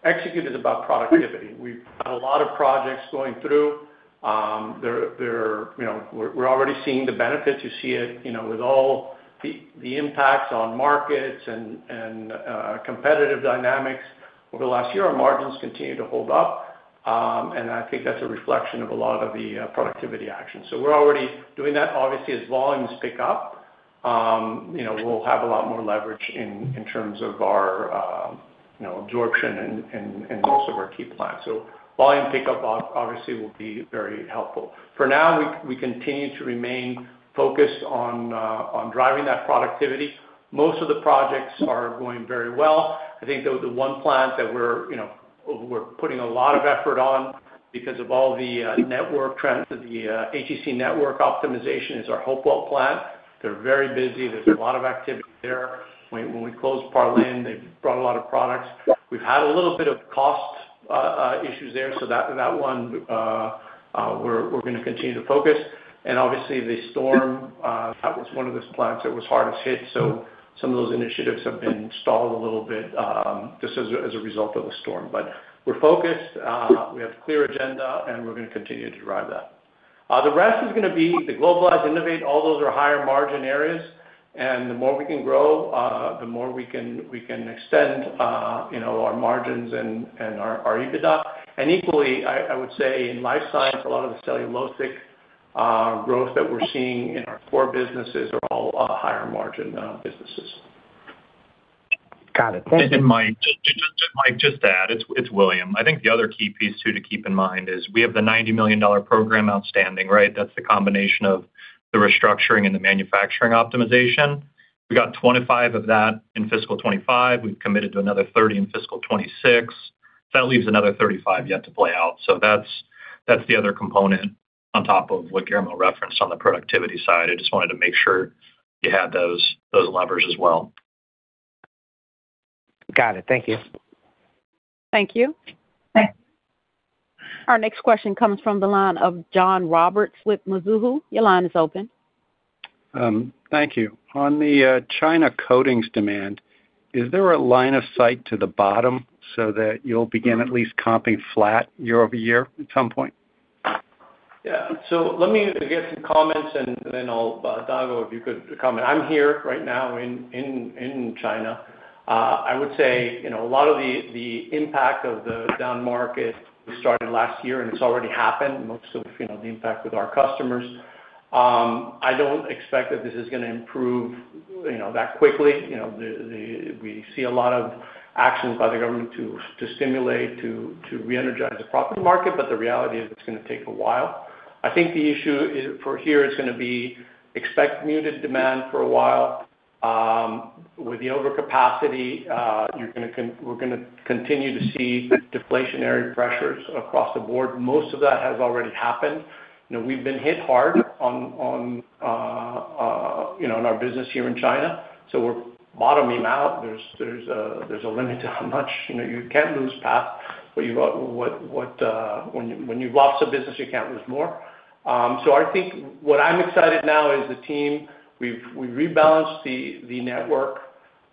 Execute is about productivity. We've got a lot of projects going through. There are, you know, we're already seeing the benefits. You see it, you know, with all the impacts on markets and competitive dynamics over the last year, our margins continue to hold up. And I think that's a reflection of a lot of the productivity actions. So we're already doing that. Obviously, as volumes pick up, you know, we'll have a lot more leverage in terms of our, you know, absorption and most of our key plans. So volume pickup obviously will be very helpful. For now, we continue to remain focused on driving that productivity. Most of the projects are going very well. I think the one plant that we're, you know, we're putting a lot of effort on because of all the network trends that the HEC network optimization is our Hopewell plant. They're very busy. There's a lot of activity there. When we closed Parlin, they brought a lot of products. We've had a little bit of cost issues there, so that one we're gonna continue to focus. And obviously, the storm that was one of those plants that was hardest hit, so some of those initiatives have been stalled a little bit just as a result of the storm. But we're focused, we have a clear agenda, and we're gonna continue to drive that. The rest is gonna be the Globalize, Innovate. All those are higher margin areas, and the more we can grow, the more we can extend, you know, our margins and our EBITDA. And equally, I would say in Life Sciences, a lot of the cellulosic growth that we're seeing in our core businesses are all higher margin businesses. Got it. Thank you. And Mike, just to add, it's William. I think the other key piece, too, to keep in mind is we have the $90 million program outstanding, right? That's the combination of the restructuring and the manufacturing optimization. We got 25 of that in fiscal 2025. We've committed to another 30 in fiscal 2026. That leaves another 35 yet to play out. So that's the other component on top of what Guillermo referenced on the productivity side. I just wanted to make sure you had those levers as well. Got it. Thank you. Thank you. Thanks. Our next question comes from the line of John Roberts with Mizuho. Your line is open. Thank you. On the China coatings demand, is there a line of sight to the bottom so that you'll begin at least comping flat year over year at some point? Yeah. So let me give some comments, and then I'll, Dago, if you could comment. I'm here right now in China. I would say, you know, a lot of the impact of the down market started last year, and it's already happened, most of, you know, the impact with our customers. I don't expect that this is gonna improve, you know, that quickly. You know, we see a lot of actions by the government to stimulate, to reenergize the property market, but the reality is it's gonna take a while. I think the issue is, for here, it's gonna be expect muted demand for a while. With the overcapacity, we're gonna continue to see deflationary pressures across the board. Most of that has already happened. You know, we've been hit hard on our business here in China, so we're bottoming out. There's a limit to how much, you know, you can't lose more, but you've got what, when you've lost a business, you can't lose more. So I think what I'm excited about now is the team. We've rebalanced the network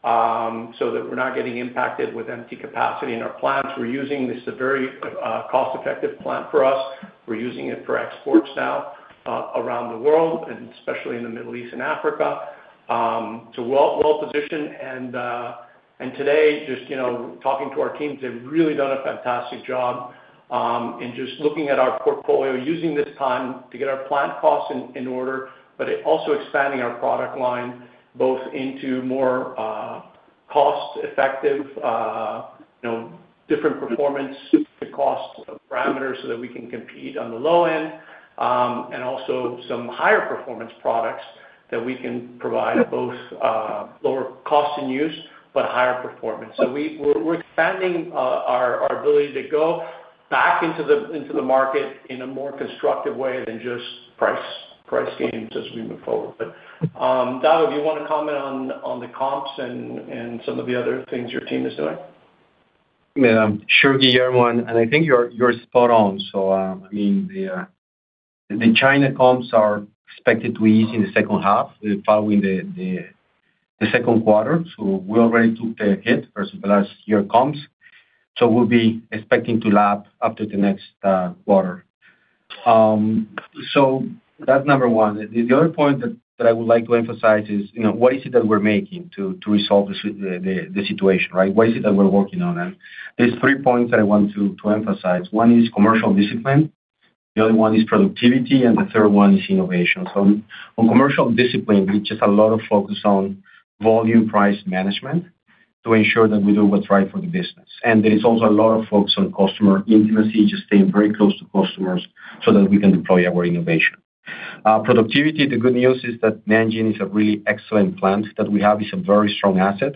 so that we're not getting impacted with empty capacity in our plants. We're using this. This is a very cost-effective plant for us. We're using it for exports now around the world, and especially in the Middle East and Africa. So we're well-positioned. And today, just, you know, talking to our teams, they've really done a fantastic job, in just looking at our portfolio, using this time to get our plant costs in, in order, but it also expanding our product line, both into more, cost-effective, you know, different performance to cost parameters, so that we can compete on the low end, and also some higher performance products that we can provide both, lower cost and use, but higher performance. So we're, we're expanding, our, our ability to go back into the, into the market in a more constructive way than just price, price games as we move forward. But, Dago, do you want to comment on, on the comps and, and some of the other things your team is doing? Yeah, sure, Guillermo, and I think you're spot on. So, I mean, the China comps are expected to ease in the second half, following the second quarter. So we already took the hit versus the last year comps, so we'll be expecting to lap up to the next quarter. So that's number one. The other point that I would like to emphasize is, you know, what is it that we're making to resolve the situation, right? What is it that we're working on? And there's three points I want to emphasize. One is commercial discipline, the other one is productivity, and the third one is innovation. So on commercial discipline, which is a lot of focus on volume-price management to ensure that we do what's right for the business. And there is also a lot of focus on customer intimacy, just staying very close to customers so that we can deploy our innovation. Productivity, the good news is that Nanjing is a really excellent plant that we have. It's a very strong asset,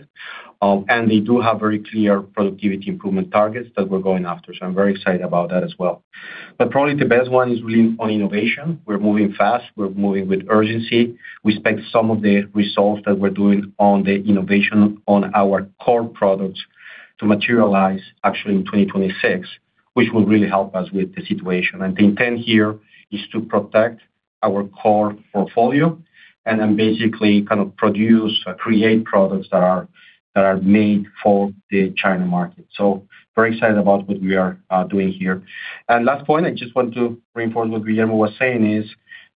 and they do have very clear productivity improvement targets that we're going after. So I'm very excited about that as well. But probably the best one is really on innovation. We're moving fast. We're moving with urgency. We expect some of the results that we're doing on the innovation on our core products to materialize actually in 2026, which will really help us with the situation. And the intent here is to protect our core portfolio and then basically kind of produce or create products that are, that are made for the China market. So very excited about what we are doing here. And last point, I just want to reinforce what Guillermo was saying is,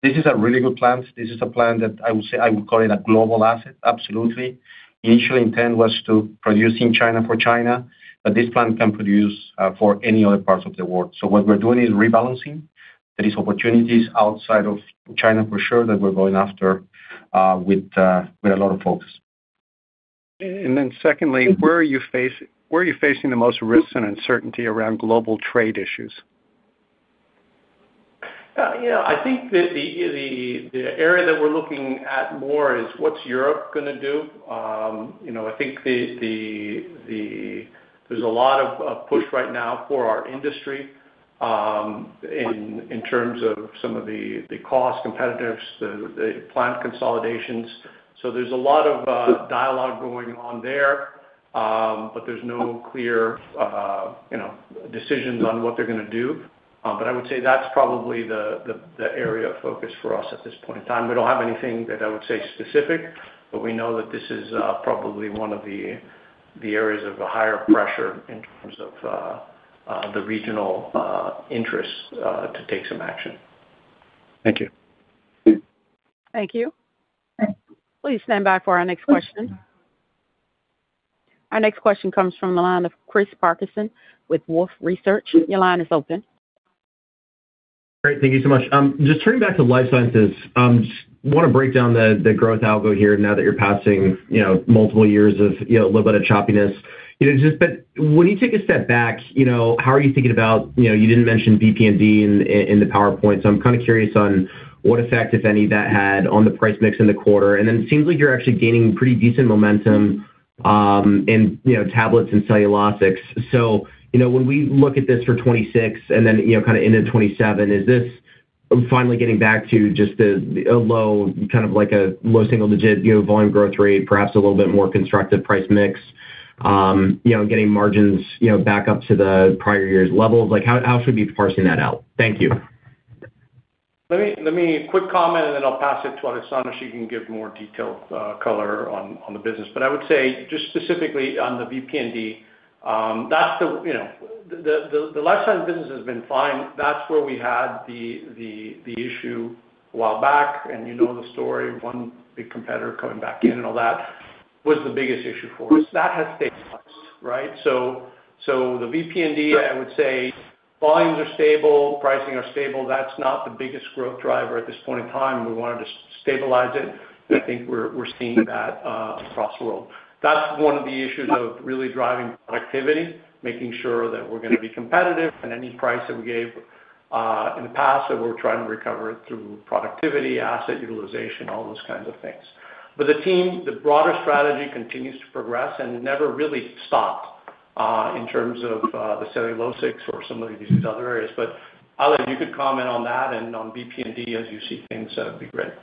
this is a really good plant. This is a plant that I would say I would call it a global asset, absolutely. The initial intent was to produce in China for China, but this plant can produce for any other parts of the world. So what we're doing is rebalancing. There is opportunities outside of China for sure, that we're going after with a lot of focus. And then secondly, where are you facing the most risk and uncertainty around global trade issues? you know, I think that the area that we're looking at more is what's Europe gonna do? You know, I think there's a lot of push right now for our industry, in terms of some of the cost competitors, the plant consolidations. So there's a lot of dialogue going on there, but there's no clear, you know, decisions on what they're gonna do. But I would say that's probably the area of focus for us at this point in time. We don't have anything that I would say specific, but we know that this is probably one of the areas of a higher pressure in terms of the regional interests to take some action. Thank you. Thank you. Please stand by for our next question. Our next question comes from the line of Chris Parkinson with Wolfe Research. Your line is open. Great. Thank you so much. Just turning back to life sciences, just wanna break down the, the growth algo here now that you're passing, you know, multiple years of, you know, a little bit of choppiness. You know, just but when you take a step back, you know, how are you thinking about, you know, you didn't mention VP&D in, in the PowerPoint, so I'm kind of curious on what effect, if any, that had on the price mix in the quarter. And then it seems like you're actually gaining pretty decent momentum, in, you know, tablets and cellulosics. So, you know, when we look at this for 2026 and then, you know, kind of into 2027, is this finally getting back to just a, a low, kind of like a low single digit, you know, volume growth rate, perhaps a little bit more constructive price mix, you know, getting margins, you know, back up to the prior year's levels? Like, how, how should we be parsing that out? Thank you. Let me quick comment, and then I'll pass it to Alessandra. She can give more detailed color on the business. But I would say just specifically on the VP&D, that's the, you know... The life science business has been fine. That's where we had the issue a while back, and you know the story, one big competitor coming back in and all that, was the biggest issue for us. That has stabilized, right? So the VP&D, I would say, volumes are stable, pricing are stable. That's not the biggest growth driver at this point in time. We wanted to stabilize it, and I think we're seeing that across the world. That's one of the issues of really driving productivity, making sure that we're gonna be competitive and any price that we gave in the past that we're trying to recover it through productivity, asset utilization, all those kinds of things. But the team, the broader strategy continues to progress and never really stopped in terms of the cellulosics or some of these other areas. But Ale, if you could comment on that and on VP&D as you see things, that would be great.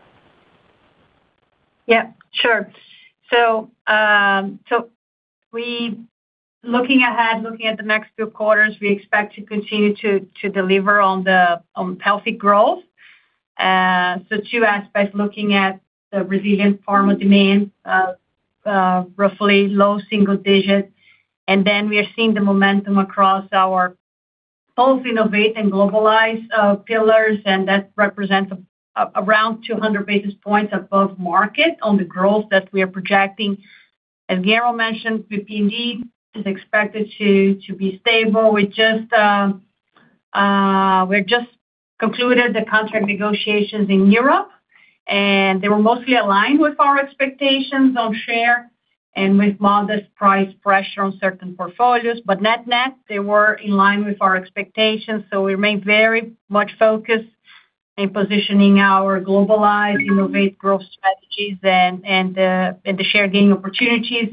Yeah, sure. So, looking ahead, looking at the next few quarters, we expect to continue to deliver on healthy growth. So two aspects, looking at the resilient pharma demand, roughly low single digits. And then we are seeing the momentum across our both Innovate and Globalize pillars, and that represents around 200 basis points above market on the growth that we are projecting. As Guillermo mentioned, VP&D is expected to be stable. We just concluded the contract negotiations in Europe, and they were mostly aligned with our expectations on share and with modest price pressure on certain portfolios. But net-net, they were in line with our expectations, so we remain very much focused in positioning our Globalized Innovate growth strategies and the share gaining opportunities.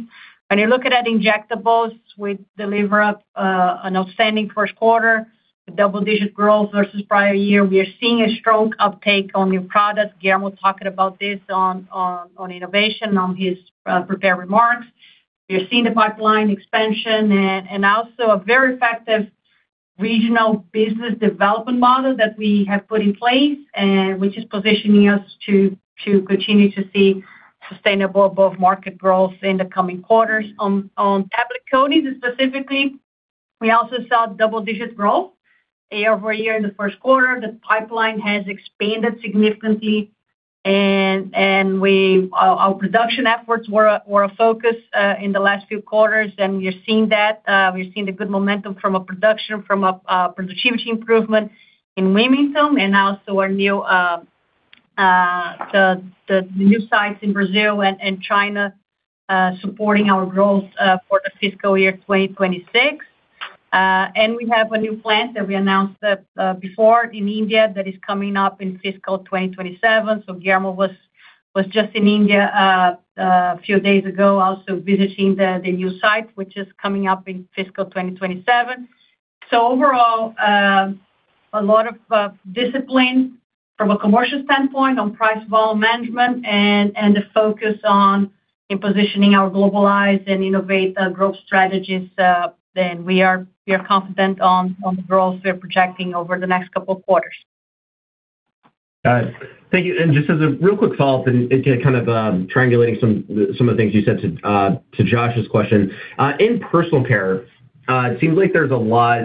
When you're looking at injectables, we delivered an outstanding first quarter, double-digit growth versus prior year. We are seeing a strong uptake on new products. Guillermo talked about this on innovation on his prepared remarks. We're seeing the pipeline expansion and also a very effective regional business development model that we have put in place, which is positioning us to continue to see sustainable above-market growth in the coming quarters. On tablet coatings, specifically, we also saw double-digit growth year-over-year in the first quarter. The pipeline has expanded significantly, and we've our production efforts were a focus in the last few quarters, and we are seeing that. We're seeing the good momentum from production, from productivity improvement in Wilmington and also our new sites in Brazil and China, supporting our growth for the fiscal year 2026. And we have a new plant that we announced before in India that is coming up in fiscal 2027. So Guillermo was just in India a few days ago, also visiting the new site, which is coming up in fiscal 2027. So overall, a lot of discipline from a commercial standpoint on price volume management and a focus on positioning our Globalized and innovative growth strategies. And we are confident on the growth we're projecting over the next couple of quarters. Got it. Thank you. And just as a real quick follow-up and to kind of triangulating some of the things you said to Josh's question. In personal care, it seems like there's a lot,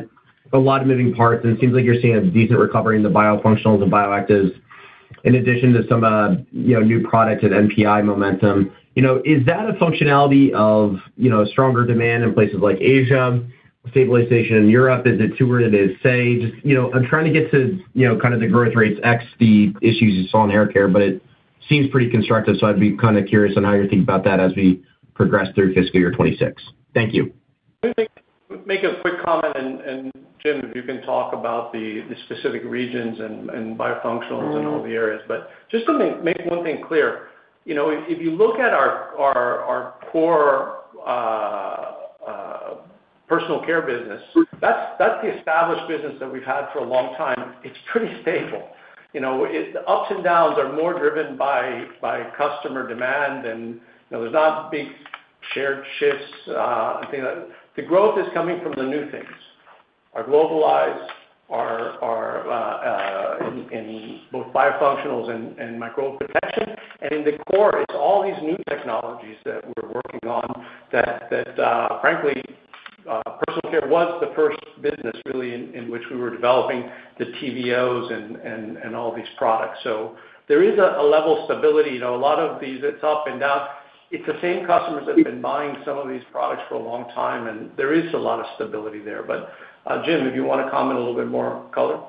a lot of moving parts, and it seems like you're seeing a decent recovery in the biofunctionals and bioactives, in addition to some, you know, new products and NPI momentum. You know, is that a functionality of, you know, stronger demand in places like Asia, stabilization in Europe? Is it two-where it is, say? Just, you know, I'm trying to get to, you know, kind of the growth rates ex the issues you saw in haircare, but it seems pretty constructive, so I'd be kind of curious on how you think about that as we progress through fiscal year 2026. Thank you. Make a quick comment, and Jim, if you can talk about the specific regions and biofunctionals and all the areas. But just to make one thing clear, you know, if you look at our core personal care business, that's the established business that we've had for a long time. It's pretty stable. You know, it's the ups and downs are more driven by customer demand, and, you know, there's not big shared shifts. I think that the growth is coming from the new things. Our Globalized, our in both biofunctionals and microbial protection, and in the core, it's all these new technologies that we're working on that frankly personal care was the first business really, in which we were developing the TBOs and all these products. So there is a level of stability. You know, a lot of these, it's up and down. It's the same customers that have been buying some of these products for a long time, and there is a lot of stability there. But, Jim, if you wanna comment a little bit more color?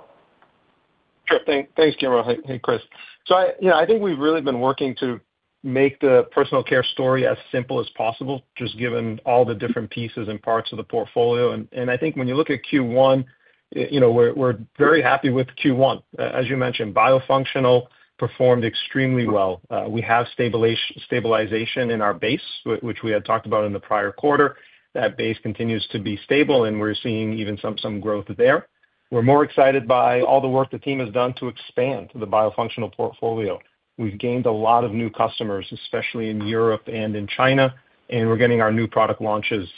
Sure. Thanks, Guillermo. Hey, Chris. So I, you know, I think we've really been working to make the personal care story as simple as possible, just given all the different pieces and parts of the portfolio. And I think when you look at Q1, you know, we're very happy with Q1. As you mentioned, biofunctional performed extremely well. We have stabilization in our base, which we had talked about in the prior quarter. That base continues to be stable, and we're seeing even some growth there. We're more excited by all the work the team has done to expand the biofunctional portfolio. We've gained a lot of new customers, especially in Europe and in China, and we're getting our new product launches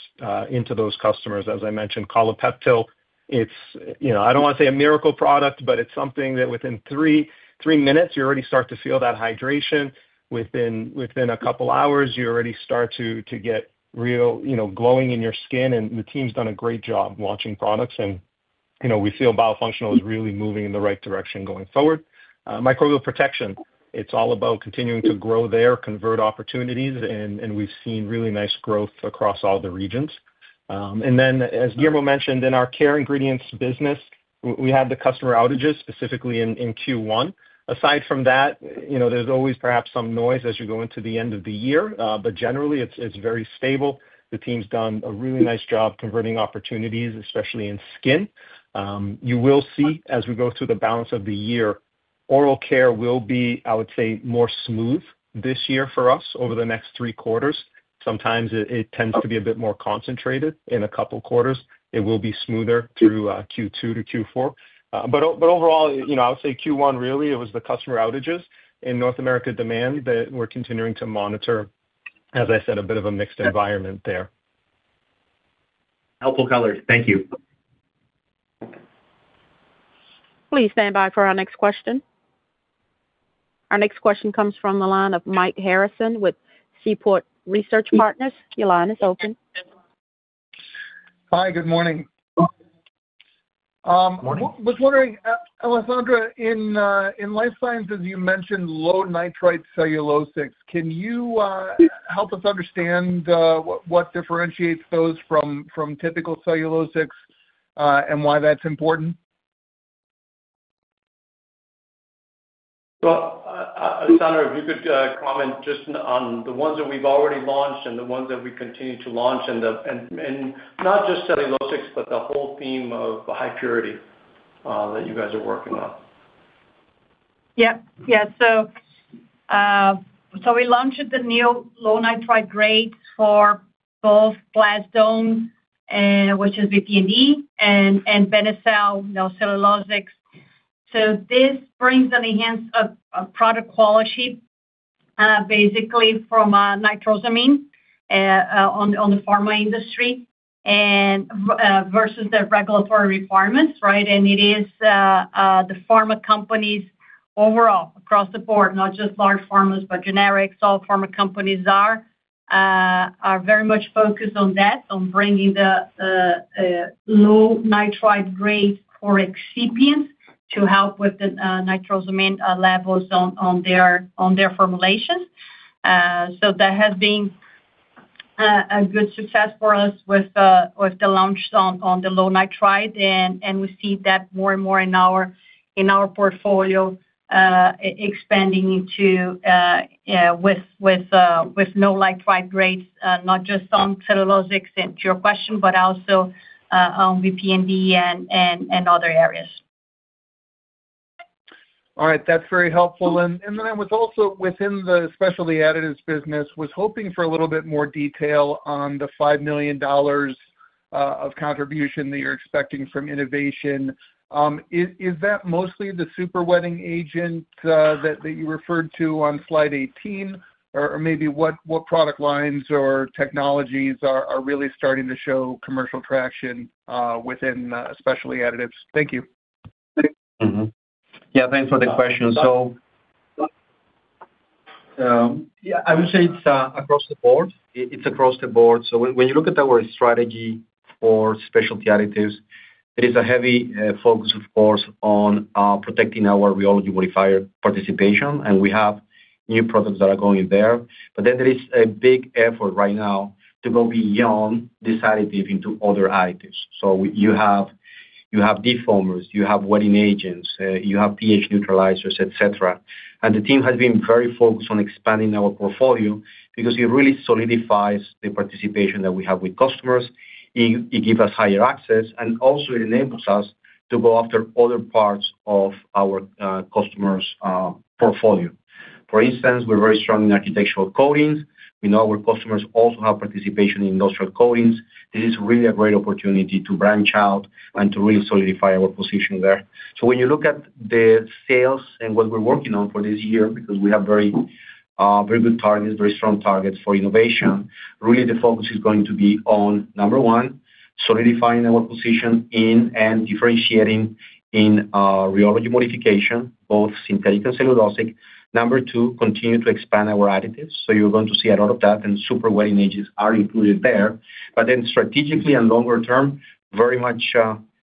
into those customers. As I mentioned, Collapeptyl, it's, you know, I don't wanna say a miracle product, but it's something that within three minutes, you already start to feel that hydration. Within a couple hours, you already start to get real, you know, glowing in your skin, and the team's done a great job launching products. And, you know, we feel biofunctional is really moving in the right direction going forward. Microbial protection, it's all about continuing to grow there, convert opportunities, and we've seen really nice growth across all the regions. And then, as Guillermo mentioned, in our care ingredients business, we had the customer outages, specifically in Q1. Aside from that, you know, there's always perhaps some noise as you go into the end of the year, but generally, it's very stable. The team's done a really nice job converting opportunities, especially in skin. You will see, as we go through the balance of the year, oral care will be, I would say, more smooth this year for us over the next three quarters. Sometimes it tends to be a bit more concentrated in a couple quarters. It will be smoother through Q2 to Q4. But overall, you know, I would say Q1, really, it was the customer outages and North America demand that we're continuing to monitor. As I said, a bit of a mixed environment there. Helpful colors. Thank you. Please stand by for our next question. Our next question comes from the line of Mike Harrison with Seaport Research Partners. Your line is open. Hi, good morning. Morning. Was wondering, Alessandra, in life sciences, you mentioned low nitrite celluloses. Can you help us understand what differentiates those from typical celluloses and why that's important? Well, Alessandra, if you could comment just on the ones that we've already launched and the ones that we continue to launch, and not just celluloses, but the whole theme of high purity that you guys are working on. Yep. Yeah, so we launched the new low nitrite grade for both Plasdone, which is VP&D, and Benecel, you know, celluloses. So this brings an enhancement of product quality, basically from nitrosamine on the pharma industry, and versus the regulatory requirements, right? And it is the pharma companies overall, across the board, not just large pharmas, but generics. All pharma companies are very much focused on that, on bringing the low nitrite grade or excipient to help with the nitrosamine levels on their formulations. So that has been a good success for us with the launch on the low nitrite, and we see that more and more in our portfolio, expanding into with low nitrite grades, not just on celluloses, and to your question, but also on VP and D and other areas. All right. That's very helpful. And then I was also within the specialty additives business, was hoping for a little bit more detail on the $5 million of contribution that you're expecting from innovation. Is that mostly the superwetting agent that you referred to on slide 18? Or maybe what product lines or technologies are really starting to show commercial traction within specialty additives? Thank you. Mm-hmm. Yeah, thanks for the question. So, yeah, I would say it's across the board. It, it's across the board. So when, when you look at our strategy for Specialty Additives, there is a heavy focus, of course, on protecting our rheology modifier participation, and we have new products that are going there. But then there is a big effort right now to go beyond this additive into other additives. So you have- ... you have defoamers, you have wetting agents, you have pH neutralizers, et cetera. And the team has been very focused on expanding our portfolio because it really solidifies the participation that we have with customers. It, it gives us higher access, and also it enables us to go after other parts of our customers' portfolio. For instance, we're very strong in architectural coatings. We know our customers also have participation in industrial coatings. This is really a great opportunity to branch out and to really solidify our position there. So when you look at the sales and what we're working on for this year, because we have very very good targets, very strong targets for innovation, really the focus is going to be on, number one, solidifying our position in and differentiating in rheology modification, both synthetic and cellulosic. Number two, continue to expand our additives. So you're going to see a lot of that, and super wetting agents are included there. But then strategically and longer term, very much,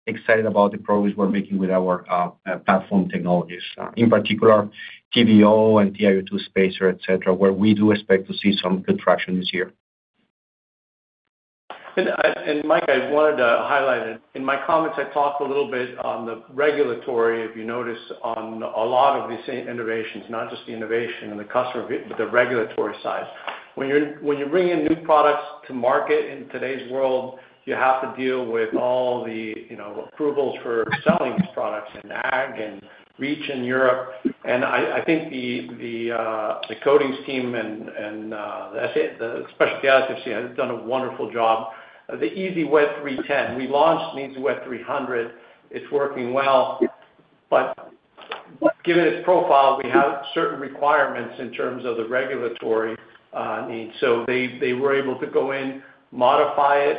excited about the progress we're making with our, platform technologies, in particular, TBO and TiO2 spacer, et cetera, where we do expect to see some good traction this year. And, Mike, I wanted to highlight it. In my comments, I talked a little bit on the regulatory, if you notice, on a lot of these same innovations, not just the innovation and the customer, but the regulatory side. When you bring in new products to market in today's world, you have to deal with all the, you know, approvals for selling these products in ag and REACH in Europe. And I think the coatings team and the specialty has done a wonderful job. The Easy-Wet 310, we launched Easy-Wet 300. It's working well. But given its profile, we have certain requirements in terms of the regulatory needs. They were able to go in, modify it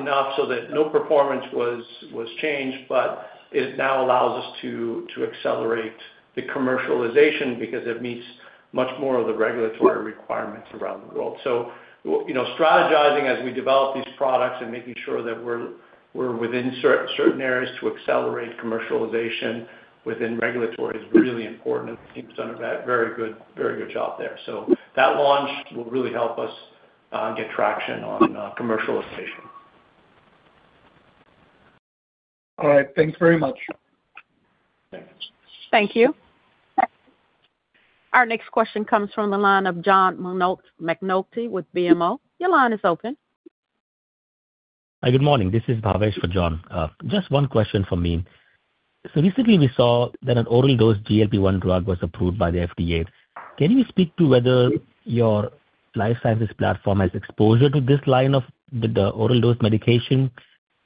enough so that no performance was changed, but it now allows us to accelerate the commercialization because it meets much more of the regulatory requirements around the world. So you know, strategizing as we develop these products and making sure that we're within certain areas to accelerate commercialization within regulatory is really important, and the team's done a very good job there. So that launch will really help us get traction on commercialization. All right. Thanks very much. Thank you. Our next question comes from the line of John McNulty, McNulty with BMO. Your line is open. Hi, good morning. This is Bhavesh for John. Just one question for me. So recently we saw that an oral dose GLP-1 drug was approved by the FDA. Can you speak to whether your life sciences platform has exposure to this line of the oral dose medication?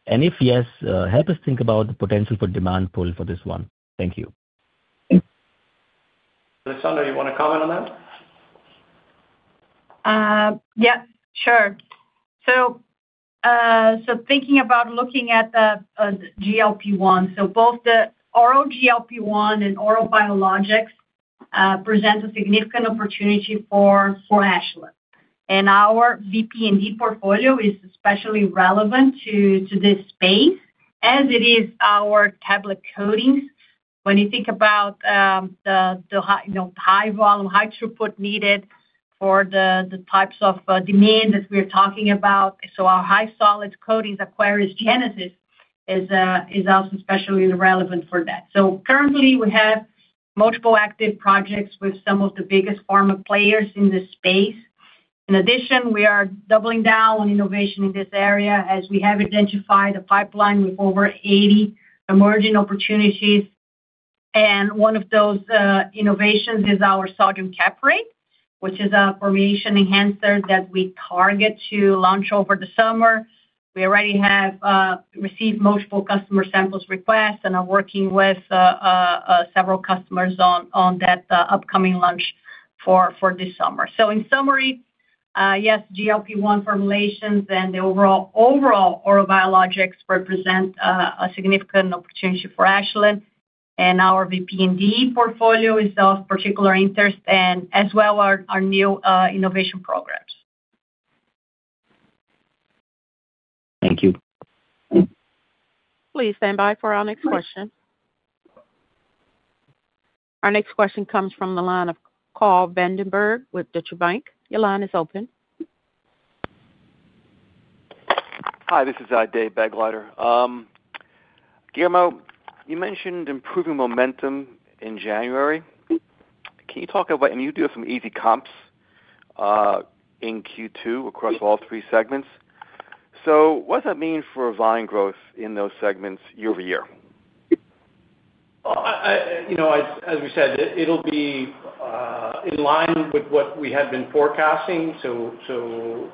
And if yes, help us think about the potential for demand pull for this one. Thank you. Alessandra, you want to comment on that? Yeah, sure. So, thinking about looking at the GLP-1, both the oral GLP-1 and oral biologics present a significant opportunity for Ashland. Our VP&D portfolio is especially relevant to this space as is our tablet coatings. When you think about the high, you know, high volume, high throughput needed for the types of demand that we're talking about, our high solids coatings, Aquarius Genesis, is also especially relevant for that. Currently, we have multiple active projects with some of the biggest pharma players in this space. In addition, we are doubling down on innovation in this area as we have identified a pipeline with over 80 emerging opportunities. And one of those innovations is our sodium caprate, which is a formulation enhancer that we target to launch over the summer. We already have received multiple customer sample requests and are working with several customers on that upcoming launch for this summer. So in summary, yes, GLP-1 formulations and the overall biologics represent a significant opportunity for Ashland. And our VP&D portfolio is of particular interest and as well, our new innovation programs. Thank you. Please stand by for our next question. Our next question comes from the line of Paul Vandenberg with Deutsche Bank. Your line is open. Hi, this is Dave Begleiter. Guillermo, you mentioned improving momentum in January. Can you talk about... And you do have some easy comps in Q2 across all three segments. So what does that mean for volume growth in those segments year-over-year? You know, as we said, it'll be in line with what we had been forecasting. So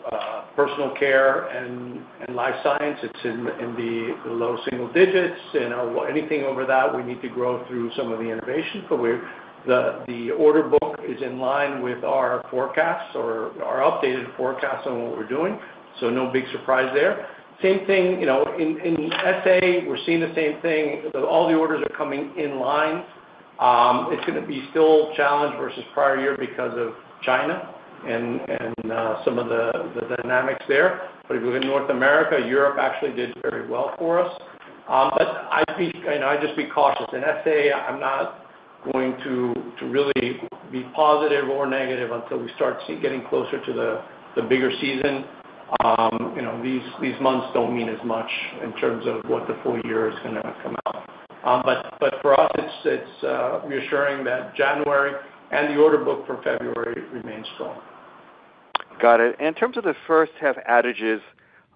personal care and life science, it's in the low single digits, and anything over that, we need to grow through some of the innovation. But we're—the order book is in line with our forecasts or our updated forecasts on what we're doing, so no big surprise there. Same thing, you know, in SA, we're seeing the same thing. All the orders are coming in line. It's gonna be still challenged versus prior year because of China and some of the dynamics there. But within North America, Europe actually did very well for us. But I'd be—you know, I'd just be cautious. In SA, I'm not-... going to really be positive or negative until we start getting closer to the bigger season. You know, these months don't mean as much in terms of what the full year is gonna come out. But for us, it's reassuring that January and the order book for February remains strong. Got it. In terms of the first half outages,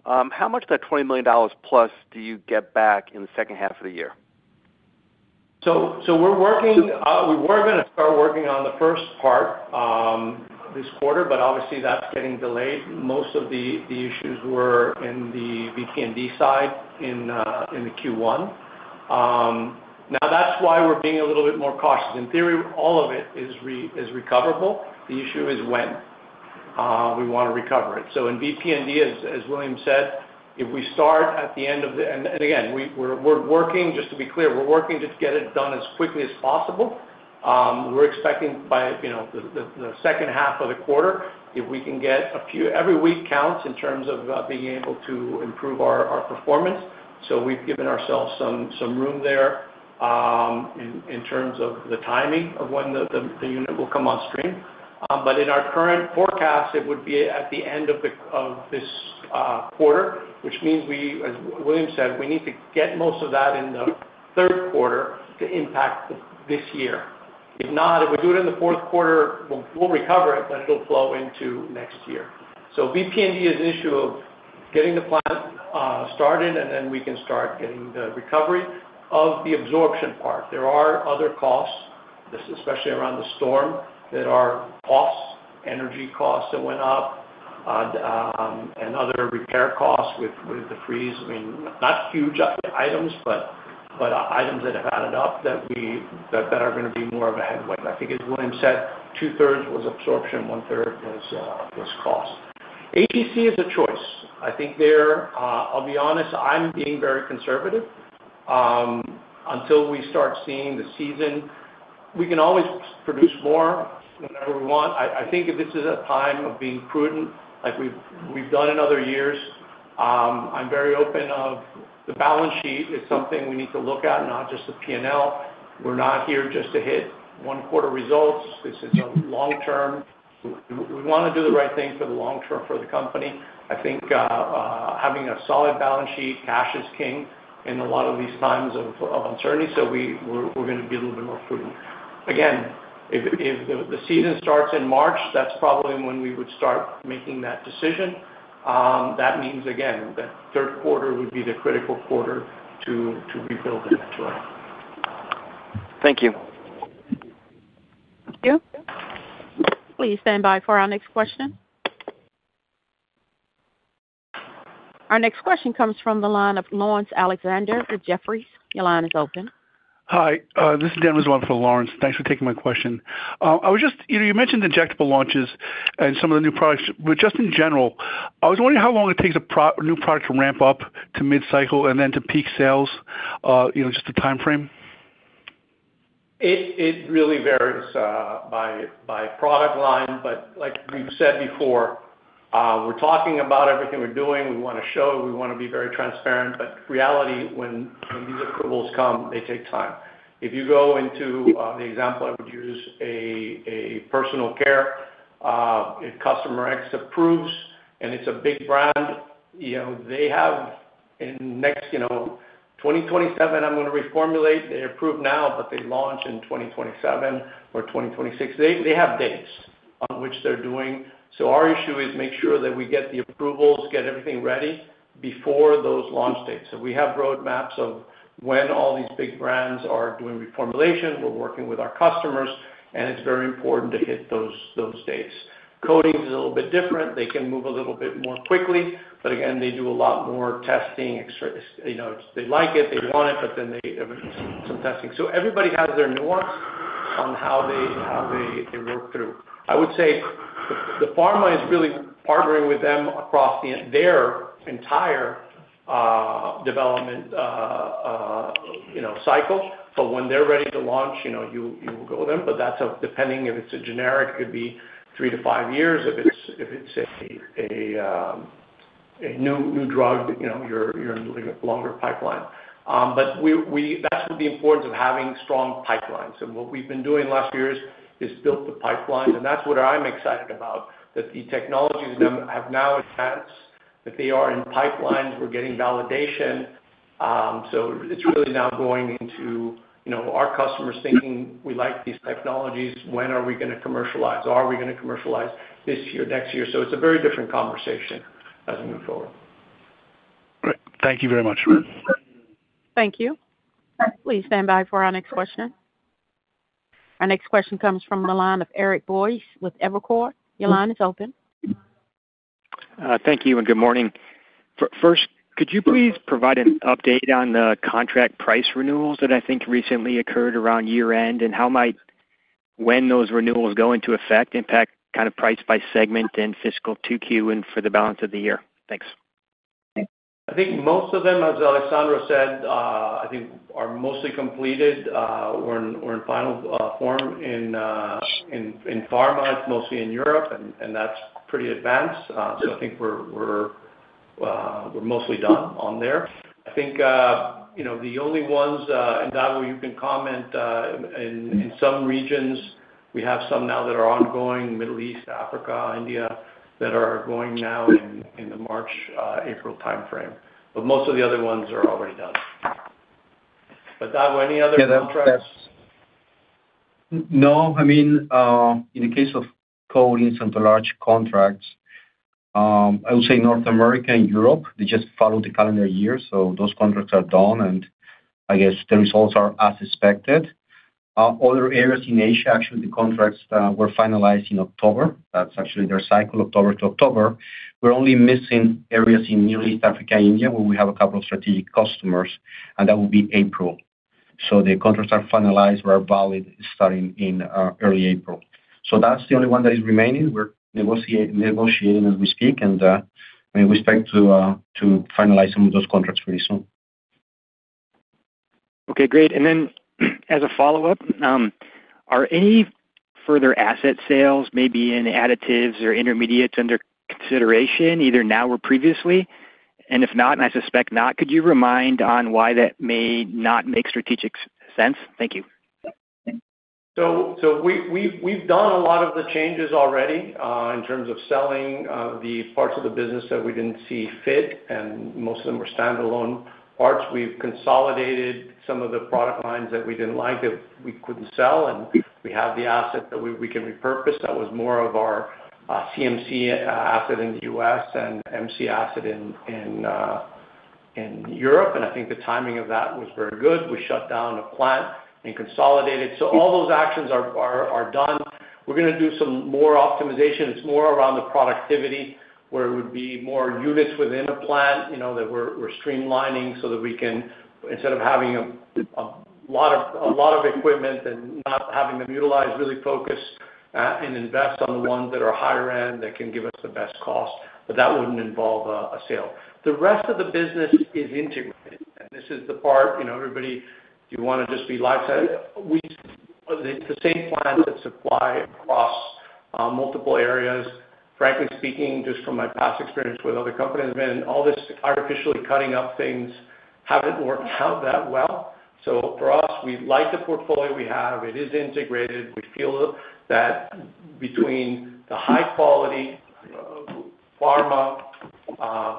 how much of that $20 million plus do you get back in the second half of the year? So we're working. We were gonna start working on the first part this quarter, but obviously that's getting delayed. Most of the issues were in the VP&D side in the Q1. Now that's why we're being a little bit more cautious. In theory, all of it is recoverable. The issue is when we want to recover it. So in VP&D, as William said, if we start at the end of the... And again, we're working, just to be clear, we're working to get it done as quickly as possible. We're expecting by, you know, the second half of the quarter, if we can get every week counts in terms of being able to improve our performance. So we've given ourselves some room there, in terms of the timing of when the unit will come on stream. But in our current forecast, it would be at the end of this quarter, which means we, as William said, we need to get most of that in the third quarter to impact this year. If not, if we do it in the fourth quarter, we'll recover it, but it'll flow into next year. So VP&D is an issue of getting the plant started, and then we can start getting the recovery of the absorption part. There are other costs, this especially around the storm, that are costs, energy costs that went up, and other repair costs with the freeze. I mean, not huge items, but items that have added up that we, that are gonna be more of a headwind. I think, as William said, two-thirds was absorption, 1/3 was cost. ATC is a choice. I think there, I'll be honest, I'm being very conservative, until we start seeing the season. We can always produce more whenever we want. I think this is a time of being prudent like we've done in other years. I'm very open of the balance sheet is something we need to look at, not just the P&L. We're not here just to hit one quarter results. This is a long term. We wanna do the right thing for the long term for the company. I think having a solid balance sheet, cash is king in a lot of these times of uncertainty, so we're gonna be a little bit more prudent. Again, if the season starts in March, that's probably when we would start making that decision. That means, again, that third quarter would be the critical quarter to rebuild the inventory. Thank you. Thank you. Please stand by for our next question. Our next question comes from the line of Lawrence Alexander with Jefferies. Your line is open. Hi, this is Dan Rizzo for Lawrence. Thanks for taking my question. I was just—you know, you mentioned injectable launches and some of the new products, but just in general, I was wondering how long it takes a new product to ramp up to mid-cycle and then to peak sales, you know, just the timeframe? It really varies by product line, but like we've said before, we're talking about everything we're doing. We wanna show, we wanna be very transparent, but reality, when these approvals come, they take time. If you go into the example, I would use a personal care, if customer X approves and it's a big brand, you know, they have in next, you know, 2027, I'm gonna reformulate. They approve now, but they launch in 2027 or 2026. They have dates on which they're doing. So our issue is make sure that we get the approvals, get everything ready before those launch dates. So we have roadmaps of when all these big brands are doing reformulation. We're working with our customers, and it's very important to hit those dates. Coatings is a little bit different. They can move a little bit more quickly, but again, they do a lot more testing. You know, they like it, they want it, but then they, some testing. So everybody has their nuance on how they work through. I would say the pharma is really partnering with them across their entire development, you know, cycle. So when they're ready to launch, you know, you go with them. But that's up depending if it's a generic, it could be 3-5 years. If it's a new drug, you know, you're in a longer pipeline. But we. That's the importance of having strong pipelines. What we've been doing in last years is built the pipelines, and that's what I'm excited about, that the technologies have now advanced, that they are in pipelines, we're getting validation. So it's really now going into, you know, our customers thinking, "We like these technologies. When are we gonna commercialize? Are we gonna commercialize this year, next year?" So it's a very different conversation as we move forward. Great. Thank you very much. Thank you. Please stand by for our next question. Our next question comes from the line of Eric Boyce with Evercore. Your line is open. Thank you, and good morning. First, could you please provide an update on the contract price renewals that I think recently occurred around year-end, and how might, when those renewals go into effect, impact kind of price by segment in fiscal 2Q and for the balance of the year? Thanks. I think most of them, as Alessandra said, I think are mostly completed, or in final form. In pharma, it's mostly in Europe, and that's pretty advanced. So I think we're mostly done on there. I think, you know, the only ones, and, Gustavo, you can comment, in some regions, we have some now that are ongoing, Middle East, Africa, India, that are going now in the March, April timeframe. But most of the other ones are already done. But, Gustavo, any other contracts? No. I mean, in the case of coating some of the large contracts, I would say North America and Europe, they just follow the calendar year, so those contracts are done, and I guess the results are as expected. Other areas in Asia, actually, the contracts were finalized in October. That's actually their cycle, October to October. We're only missing areas in Middle East, Africa, India, where we have a couple of strategic customers, and that will be April. So the contracts are finalized, we are valid, starting in early April. So that's the only one that is remaining. We're negotiating as we speak, and we expect to finalize some of those contracts pretty soon. Okay, great. And then as a follow-up, are any further asset sales, maybe in additives or intermediates, under consideration, either now or previously? And if not, and I suspect not, could you remind on why that may not make strategic sense? Thank you. So, we've done a lot of the changes already, in terms of selling the parts of the business that we didn't see fit, and most of them were standalone parts. We've consolidated some of the product lines that we didn't like, that we couldn't sell, and we have the asset that we can repurpose. That was more of our CMC asset in the U.S. and MC asset in Europe, and I think the timing of that was very good. We shut down a plant and consolidated. So all those actions are done. We're gonna do some more optimization. It's more around the productivity, where it would be more units within a plant, you know, that we're streamlining so that we can, instead of having a lot of equipment and not having them utilized, really focus and invest on the ones that are higher end, that can give us the best cost, but that wouldn't involve a sale. The rest of the business is integrated, and this is the part, you know, everybody, do you wanna just be lifesaver? The same plants that supply across multiple areas. Frankly speaking, just from my past experience with other companies, been all this artificially cutting up things hasn't worked out that well. So for us, we like the portfolio we have. It is integrated. We feel that between the high quality, pharma,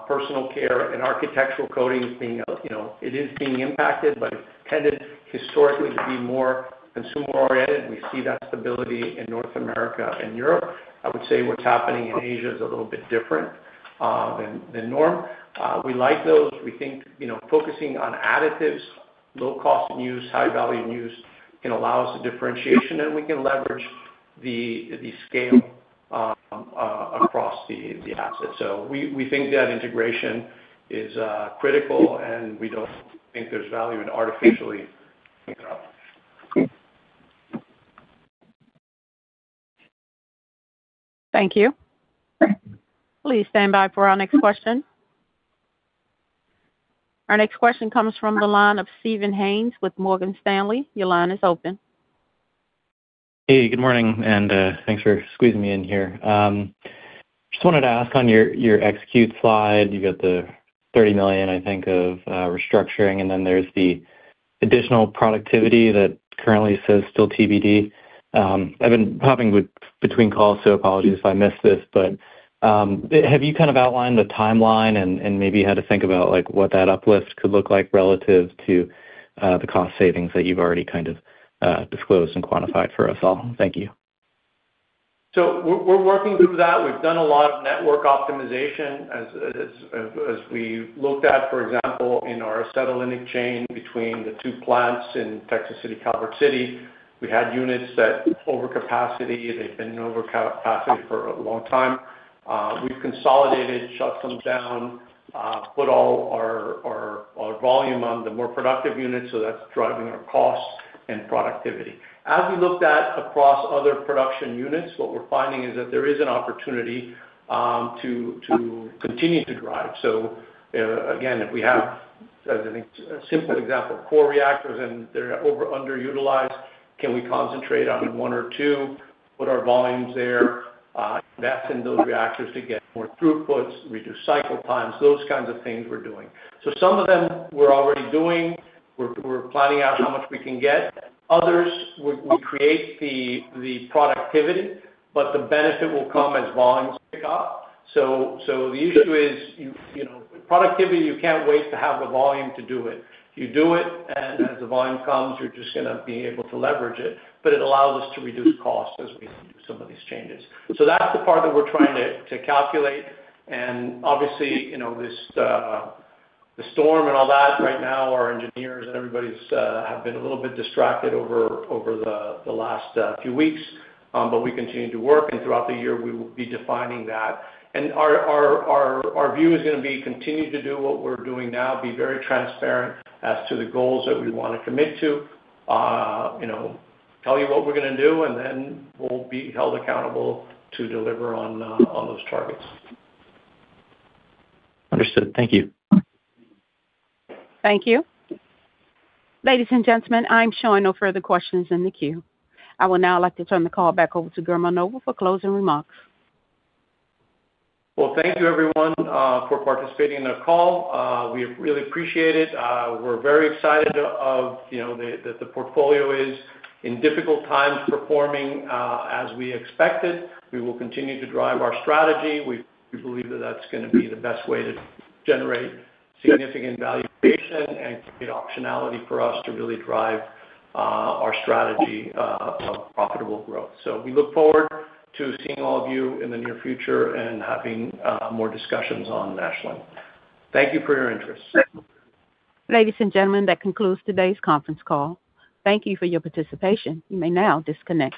personal care, and architectural coatings being, you know, it is being impacted, but it tended historically to be more consumer oriented. We see that stability in North America and Europe. I would say what's happening in Asia is a little bit different than than norm. We like those. We think, you know, focusing on additives, low cost and use, high value and use, can allow us the differentiation, and we can leverage the scale across the asset. So we think that integration is critical, and we don't think there's value in artificially, you know. Thank you. Please stand by for our next question. Our next question comes from the line of Steven Haynes with Morgan Stanley. Your line is open. Hey, good morning, and thanks for squeezing me in here. Just wanted to ask on your, your execute slide, you got the $30 million, I think, of restructuring, and then there's the additional productivity that currently says still TBD. I've been hopping between calls, so apologies if I missed this, but have you kind of outlined the timeline and maybe how to think about, like, what that uplift could look like relative to the cost savings that you've already kind of disclosed and quantified for us all? Thank you. So we're working through that. We've done a lot of network optimization as we looked at, for example, in our acetylene chain between the two plants in Texas City, Calvert City. We had units that overcapacity, they've been in overcapacity for a long time. We've consolidated, shut some down, put all our volume on the more productive units, so that's driving our costs and productivity. As we looked at across other production units, what we're finding is that there is an opportunity to continue to drive. So, again, if we have, as I think, a simple example, core reactors, and they're underutilized, can we concentrate on one or two, put our volumes there, invest in those reactors to get more throughputs, reduce cycle times, those kinds of things we're doing. So some of them we're already doing. We're planning out how much we can get. Others, we create the productivity, but the benefit will come as volumes pick up. So the issue is, you know, productivity, you can't wait to have the volume to do it. You do it, and as the volume comes, you're just gonna be able to leverage it, but it allows us to reduce costs as we do some of these changes. So that's the part that we're trying to calculate. And obviously, you know, this, the storm and all that, right now, our engineers and everybody's have been a little bit distracted over the last few weeks, but we continue to work, and throughout the year, we will be defining that. Our view is gonna be continue to do what we're doing now, be very transparent as to the goals that we wanna commit to. You know, tell you what we're gonna do, and then we'll be held accountable to deliver on those targets. Understood. Thank you. Thank you. Ladies and gentlemen, I'm showing no further questions in the queue. I would now like to turn the call back over to Guillermo Novo for closing remarks. Well, thank you everyone for participating in the call. We really appreciate it. We're very excited of, you know, that the portfolio is in difficult times, performing as we expected. We will continue to drive our strategy. We believe that that's gonna be the best way to generate significant valuation and create optionality for us to really drive our strategy of profitable growth. So we look forward to seeing all of you in the near future and having more discussions on Ashland. Thank you for your interest. Ladies and gentlemen, that concludes today's conference call. Thank you for your participation. You may now disconnect.